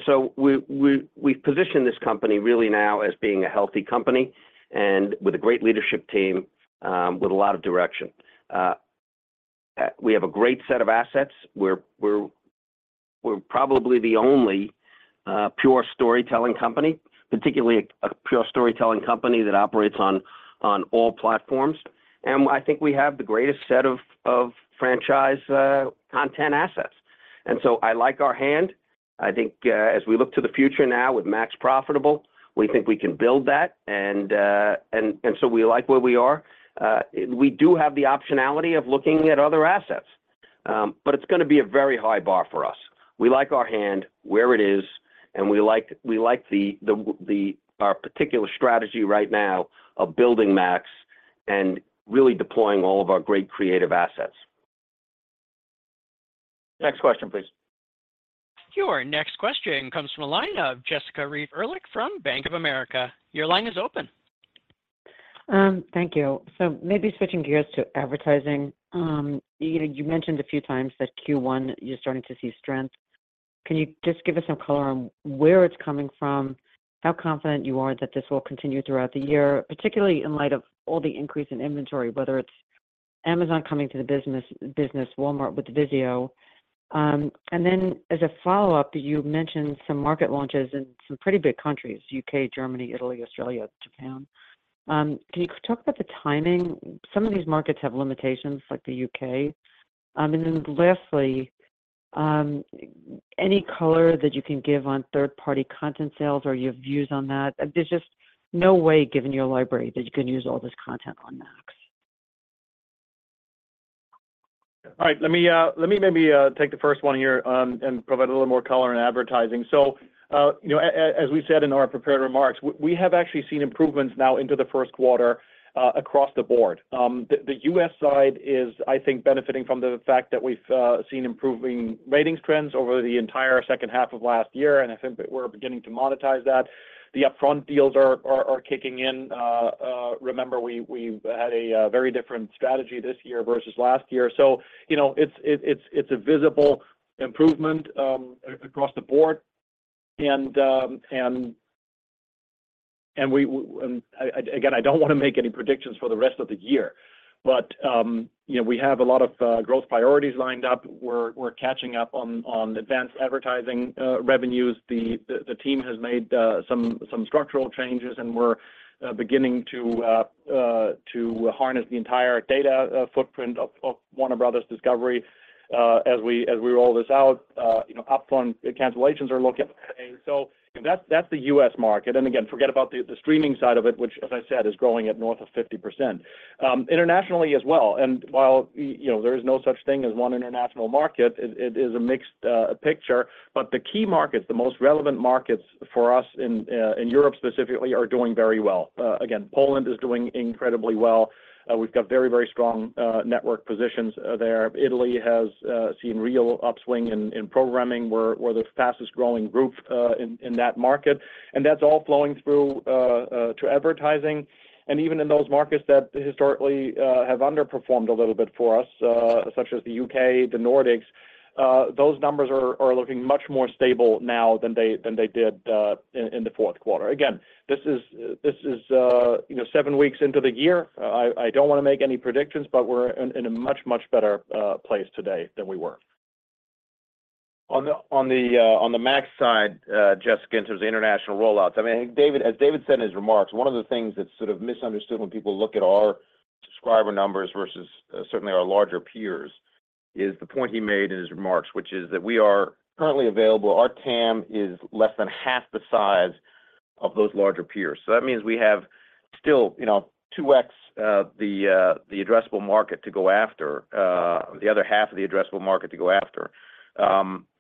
So we've positioned this company really now as being a healthy company and with a great leadership team, with a lot of direction. We have a great set of assets. We're probably the only pure storytelling company, particularly a pure storytelling company that operates on all platforms. And I think we have the greatest set of franchise content assets. And so I like our hand. I think as we look to the future now with Max profitable, we think we can build that. And so we like where we are. We do have the optionality of looking at other assets, but it's going to be a very high bar for us. We like our hand where it is, and we like our particular strategy right now of building Max and really deploying all of our great creative assets. Next question, please. Your next question comes from a line of Jessica Reif Ehrlich from Bank of America. Your line is open. Thank you. So maybe switching gears to advertising. You mentioned a few times that Q1, you're starting to see strength. Can you just give us some color on where it's coming from, how confident you are that this will continue throughout the year, particularly in light of all the increase in inventory, whether it's Amazon coming to the business, Walmart with Vizio? And then as a follow-up, you mentioned some market launches in some pretty big countries: U.K., Germany, Italy, Australia, Japan. Can you talk about the timing? Some of these markets have limitations, like the U.K. And then lastly, any color that you can give on third-party content sales or your views on that? There's just no way, given your library, that you can use all this content on Max. All right. Let me maybe take the first one here and provide a little more color in advertising. So as we said in our prepared remarks, we have actually seen improvements now into the first quarter across the board. The U.S. side is, I think, benefiting from the fact that we've seen improving ratings trends over the entire second half of last year, and I think we're beginning to monetize that. The Upfront deals are kicking in. Remember, we had a very different strategy this year versus last year. So it's a visible improvement across the board. And again, I don't want to make any predictions for the rest of the year, but we have a lot of growth priorities lined up. We're catching up on advanced advertising revenues. The team has made some structural changes, and we're beginning to harness the entire data footprint of Warner Bros. Discovery as we roll this out. Upfront cancellations are looking okay. That's the U.S. market. Again, forget about the streaming side of it, which, as I said, is growing at north of 50% internationally as well. While there is no such thing as one international market, it is a mixed picture. The key markets, the most relevant markets for us in Europe specifically, are doing very well. Again, Poland is doing incredibly well. We've got very, very strong network positions there. Italy has seen real upswing in programming. We're the fastest-growing group in that market. That's all flowing through to advertising. And even in those markets that historically have underperformed a little bit for us, such as the UK, the Nordics, those numbers are looking much more stable now than they did in the fourth quarter. Again, this is seven weeks into the year. I don't want to make any predictions, but we're in a much, much better place today than we were. On the Max side, Jessica, in terms of international rollouts, I mean, as David said in his remarks, one of the things that's sort of misunderstood when people look at our subscriber numbers versus certainly our larger peers is the point he made in his remarks, which is that we are currently available, our TAM is less than half the size of those larger peers. So that means we have still 2X the addressable market to go after, the other half of the addressable market to go after.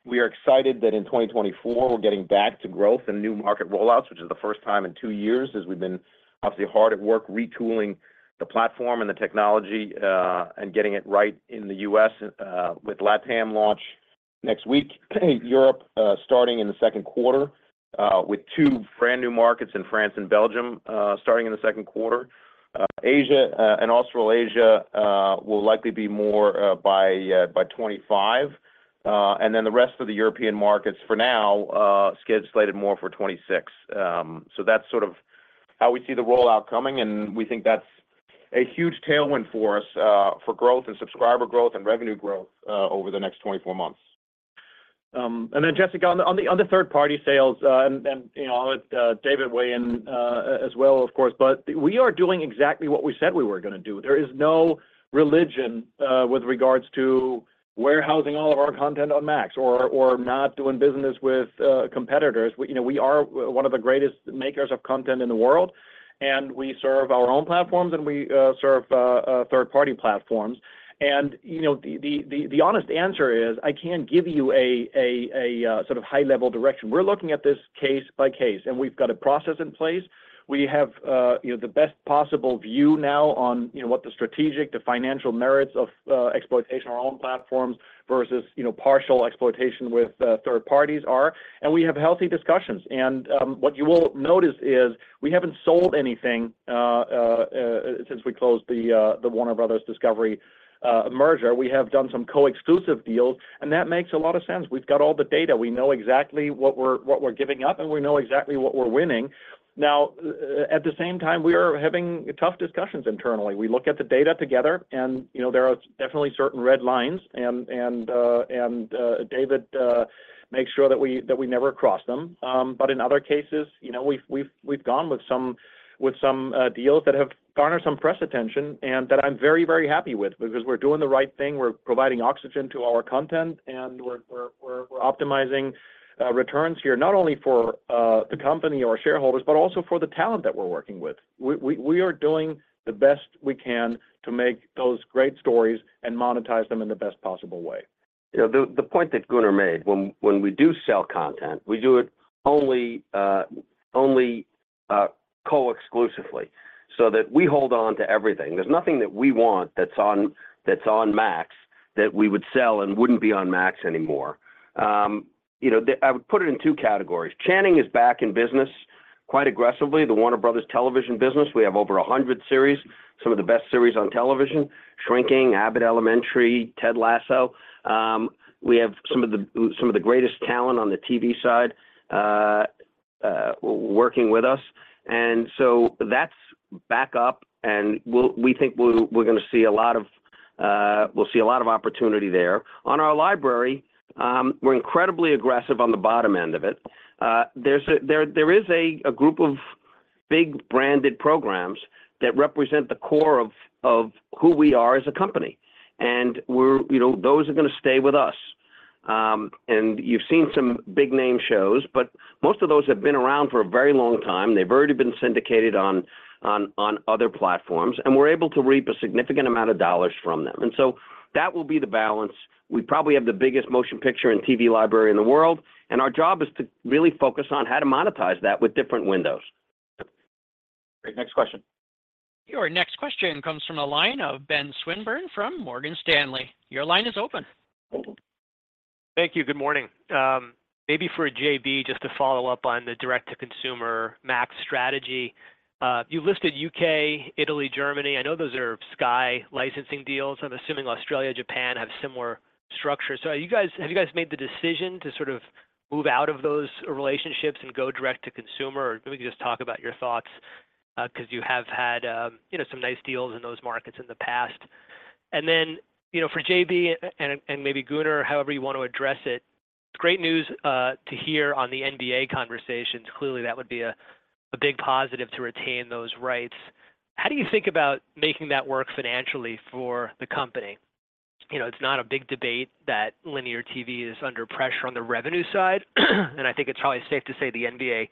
We are excited that in 2024, we're getting back to growth and new market rollouts, which is the first time in two years as we've been obviously hard at work retooling the platform and the technology and getting it right in the U.S. with LatAm launch next week, Europe starting in the second quarter with two brand new markets in France and Belgium starting in the second quarter. Asia and Australasia will likely be more by 2025. And then the rest of the European markets for now scheduled more for 2026. So that's sort of how we see the rollout coming. And we think that's a huge tailwind for us for growth and subscriber growth and revenue growth over the next 24 months. Then, Jessica, on the third-party sales, and David weigh in as well, of course, but we are doing exactly what we said we were going to do. There is no religion with regards to warehousing all of our content on Max or not doing business with competitors. We are one of the greatest makers of content in the world, and we serve our own platforms, and we serve third-party platforms. And the honest answer is, I can't give you a sort of high-level direction. We're looking at this case by case, and we've got a process in place. We have the best possible view now on what the strategic, the financial merits of exploitation of our own platforms versus partial exploitation with third parties are. And we have healthy discussions. And what you will notice is we haven't sold anything since we closed the Warner Bros. Discovery merger. We have done some co-exclusive deals, and that makes a lot of sense. We've got all the data. We know exactly what we're giving up, and we know exactly what we're winning. Now, at the same time, we are having tough discussions internally. We look at the data together, and there are definitely certain red lines, and David makes sure that we never cross them. But in other cases, we've gone with some deals that have garnered some press attention and that I'm very, very happy with because we're doing the right thing. We're providing oxygen to our content, and we're optimizing returns here not only for the company or shareholders, but also for the talent that we're working with. We are doing the best we can to make those great stories and monetize them in the best possible way. The point that Gunnar made, when we do sell content, we do it only co-exclusively so that we hold on to everything. There's nothing that we want that's on Max that we would sell and wouldn't be on Max anymore. I would put it in two categories. Channing is back in business quite aggressively, the Warner Bros. Television business. We have over 100 series, some of the best series on television, Shrinking, Abbott Elementary, Ted Lasso. We have some of the greatest talent on the TV side working with us. And so that's back up, and we think we're going to see a lot of opportunity there. On our library, we're incredibly aggressive on the bottom end of it. There is a group of big branded programs that represent the core of who we are as a company. Those are going to stay with us. You've seen some big-name shows, but most of those have been around for a very long time. They've already been syndicated on other platforms, and we're able to reap a significant amount of dollars from them. So that will be the balance. We probably have the biggest motion picture and TV library in the world, and our job is to really focus on how to monetize that with different windows. Great. Next question. Your next question comes from a line of Ben Swinburne from Morgan Stanley. Your line is open. Thank you. Good morning. Maybe for JB, just to follow up on the direct-to-consumer Max strategy. You listed UK, Italy, Germany. I know those are Sky licensing deals. I'm assuming Australia, Japan have similar structures. So have you guys made the decision to sort of move out of those relationships and go direct-to-consumer? Or maybe just talk about your thoughts because you have had some nice deals in those markets in the past. And then for JB and maybe Gunnar, however you want to address it, it's great news to hear on the NBA conversations. Clearly, that would be a big positive to retain those rights. How do you think about making that work financially for the company? It's not a big debate that linear TV is under pressure on the revenue side. And I think it's probably safe to say the NBA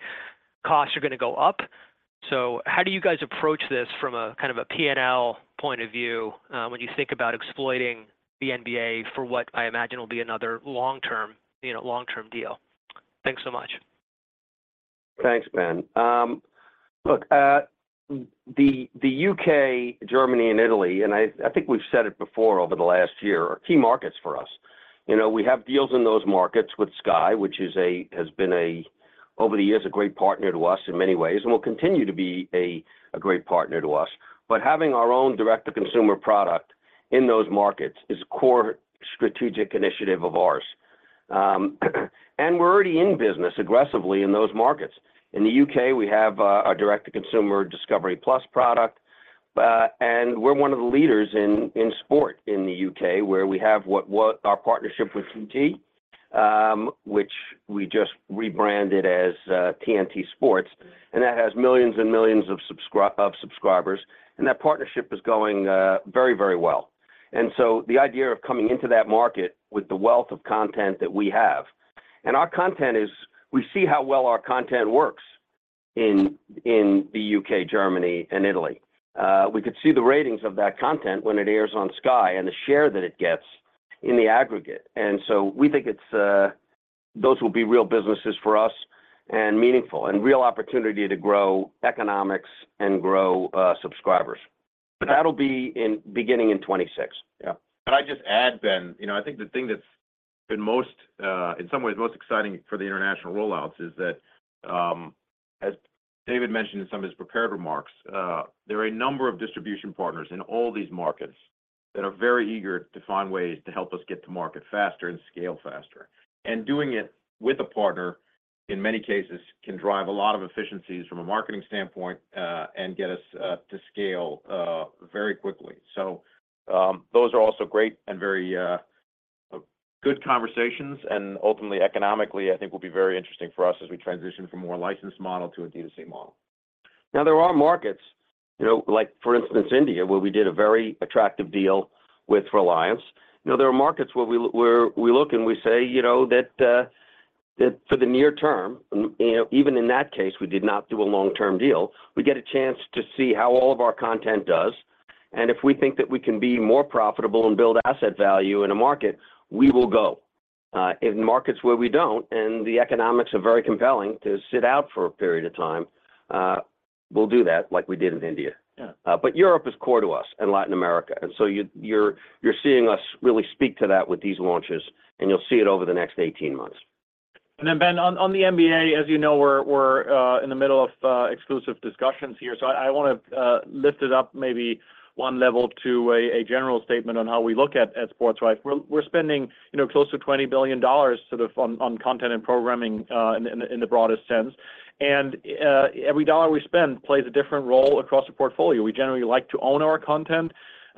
costs are going to go up. How do you guys approach this from a kind of a P&L point of view when you think about exploiting the NBA for what I imagine will be another long-term deal? Thanks so much. Thanks, Ben. Look, the UK, Germany, and Italy, and I think we've said it before over the last year, are key markets for us. We have deals in those markets with Sky, which has been over the years a great partner to us in many ways and will continue to be a great partner to us. But having our own direct-to-consumer product in those markets is a core strategic initiative of ours. And we're already in business aggressively in those markets. In the UK, we have our direct-to-consumer Discovery+ product, and we're one of the leaders in sport in the UK where we have our partnership with BT, which we just rebranded as TNT Sports, and that has millions and millions of subscribers. And that partnership is going very, very well. So the idea of coming into that market with the wealth of content that we have and our content is we see how well our content works in the UK, Germany, and Italy. We could see the ratings of that content when it airs on Sky and the share that it gets in the aggregate. We think those will be real businesses for us and meaningful and real opportunity to grow economics and grow subscribers. But that'll be beginning in 2026. Yeah. Can I just add, Ben? I think the thing that's been in some ways most exciting for the international rollouts is that, as David mentioned in some of his prepared remarks, there are a number of distribution partners in all these markets that are very eager to find ways to help us get to market faster and scale faster. And doing it with a partner, in many cases, can drive a lot of efficiencies from a marketing standpoint and get us to scale very quickly. So those are also great and very good conversations. And ultimately, economically, I think will be very interesting for us as we transition from more licensed model to a D2C model. Now, there are markets, for instance, India, where we did a very attractive deal with Reliance. There are markets where we look and we say that for the near term, even in that case, we did not do a long-term deal, we get a chance to see how all of our content does. And if we think that we can be more profitable and build asset value in a market, we will go. In markets where we don't and the economics are very compelling to sit out for a period of time, we'll do that like we did in India. But Europe is core to us and Latin America. And so you're seeing us really speak to that with these launches, and you'll see it over the next 18 months. And then, Ben, on the NBA, as you know, we're in the middle of exclusive discussions here. So I want to lift it up maybe one level to a general statement on how we look at sports rights. We're spending close to $20 billion sort of on content and programming in the broadest sense. And every dollar we spend plays a different role across the portfolio. We generally like to own our content.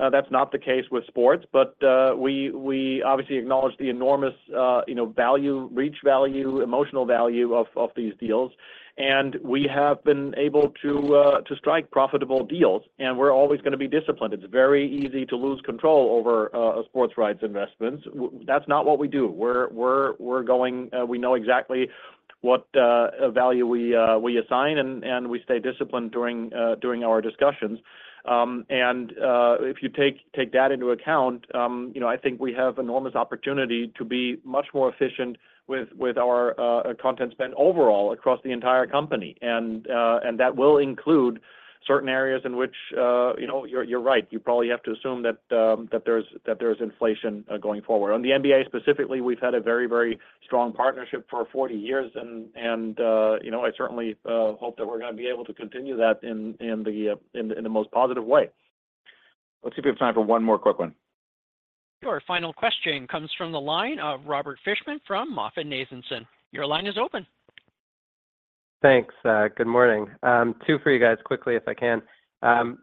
That's not the case with sports. But we obviously acknowledge the enormous value, reach value, emotional value of these deals. And we have been able to strike profitable deals, and we're always going to be disciplined. It's very easy to lose control over sports rights investments. That's not what we do. We know exactly what value we assign, and we stay disciplined during our discussions. If you take that into account, I think we have enormous opportunity to be much more efficient with our content spend overall across the entire company. That will include certain areas in which you're right. You probably have to assume that there's inflation going forward. On the NBA specifically, we've had a very, very strong partnership for 40 years. I certainly hope that we're going to be able to continue that in the most positive way. Let's see if we have time for one more quick one. Your final question comes from the line of Robert Fishman from MoffettNathanson. Your line is open. Thanks. Good morning. Two for you guys quickly, if I can.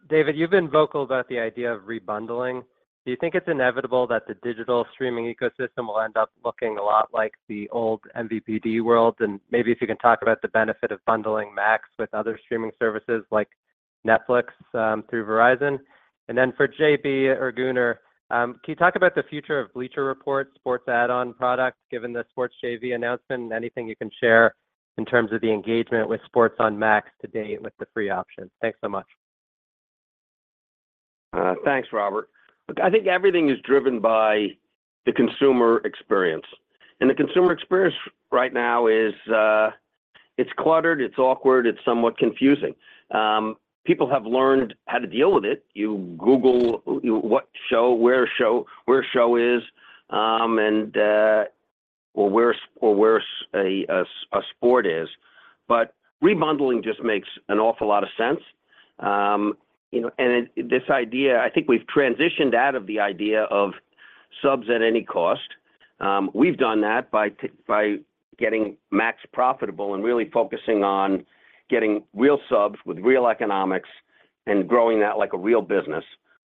David, you've been vocal about the idea of rebundling. Do you think it's inevitable that the digital streaming ecosystem will end up looking a lot like the old MVPD world? And maybe if you can talk about the benefit of bundling Max with other streaming services like Netflix through Verizon. And then for JB or Gunnar, can you talk about the future of Bleacher Report Sports Add-On product given the Sports JV announcement and anything you can share in terms of the engagement with Sports on Max to date with the free options? Thanks so much. Thanks, Robert. Look, I think everything is driven by the consumer experience. The consumer experience right now is it's cluttered, it's awkward, it's somewhat confusing. People have learned how to deal with it. You Google where a show is or where a sport is. But rebundling just makes an awful lot of sense. This idea, I think we've transitioned out of the idea of subs at any cost. We've done that by getting Max profitable and really focusing on getting real subs with real economics and growing that like a real business.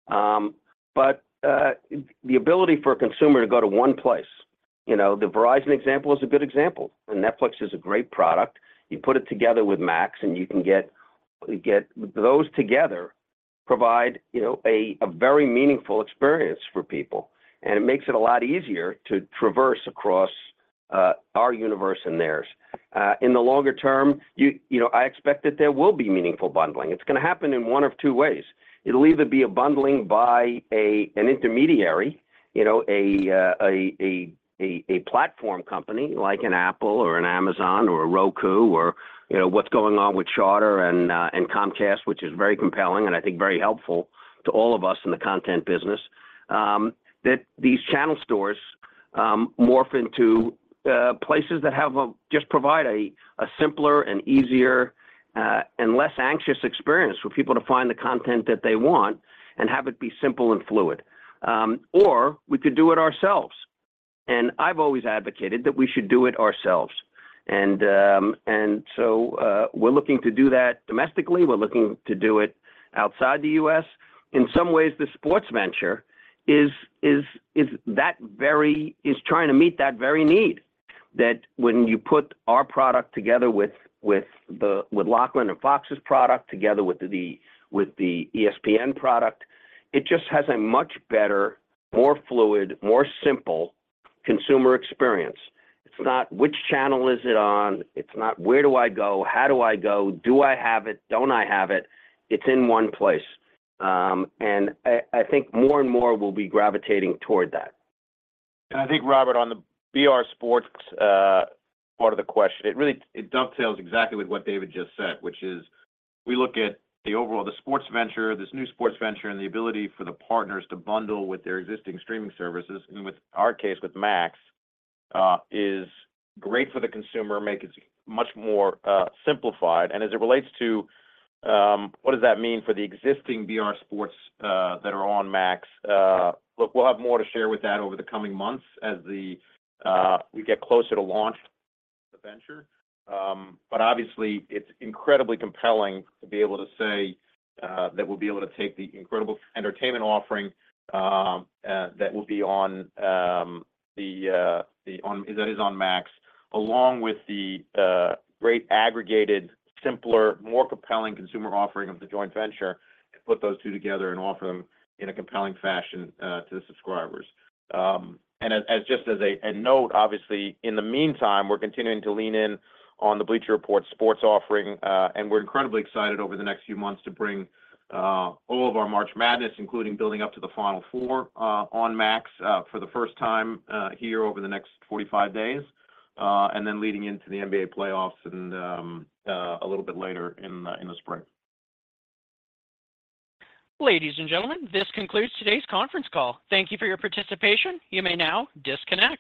The ability for a consumer to go to one place, the Verizon example is a good example. Netflix is a great product. You put it together with Max, and you can get those together provide a very meaningful experience for people. It makes it a lot easier to traverse across our universe and theirs. In the longer term, I expect that there will be meaningful bundling. It's going to happen in one of two ways. It'll either be a bundling by an intermediary, a platform company like an Apple or an Amazon or a Roku or what's going on with Charter and Comcast, which is very compelling and I think very helpful to all of us in the content business, that these channel stores morph into places that just provide a simpler and easier and less anxious experience for people to find the content that they want and have it be simple and fluid. Or we could do it ourselves. I've always advocated that we should do it ourselves. So we're looking to do that domestically. We're looking to do it outside the U.S. In some ways, the sports venture is trying to meet that very need that when you put our product together with Lachlan and Fox's product together with the ESPN product, it just has a much better, more fluid, more simple consumer experience. It's not which channel is it on? It's not where do I go? How do I go? Do I have it? Don't I have it? It's in one place. I think more and more will be gravitating toward that. I think, Robert, on the B/R Sports part of the question, it dovetails exactly with what David just said, which is we look at the overall, the sports venture, this new sports venture, and the ability for the partners to bundle with their existing streaming services. In our case, with Max, is great for the consumer, makes it much more simplified. As it relates to what does that mean for the existing B/R Sports that are on Max? Look, we'll have more to share with that over the coming months as we get closer to launch the venture. But obviously, it's incredibly compelling to be able to say that we'll be able to take the incredible entertainment offering that is on Max, along with the great aggregated, simpler, more compelling consumer offering of the joint venture, and put those two together and offer them in a compelling fashion to the subscribers. And just as a note, obviously, in the meantime, we're continuing to lean in on the Bleacher Report Sports offering. And we're incredibly excited over the next few months to bring all of our March Madness, including building up to the Final Four on Max for the first time here over the next 45 days, and then leading into the NBA playoffs and a little bit later in the spring. Ladies and gentlemen, this concludes today's conference call. Thank you for your participation. You may now disconnect.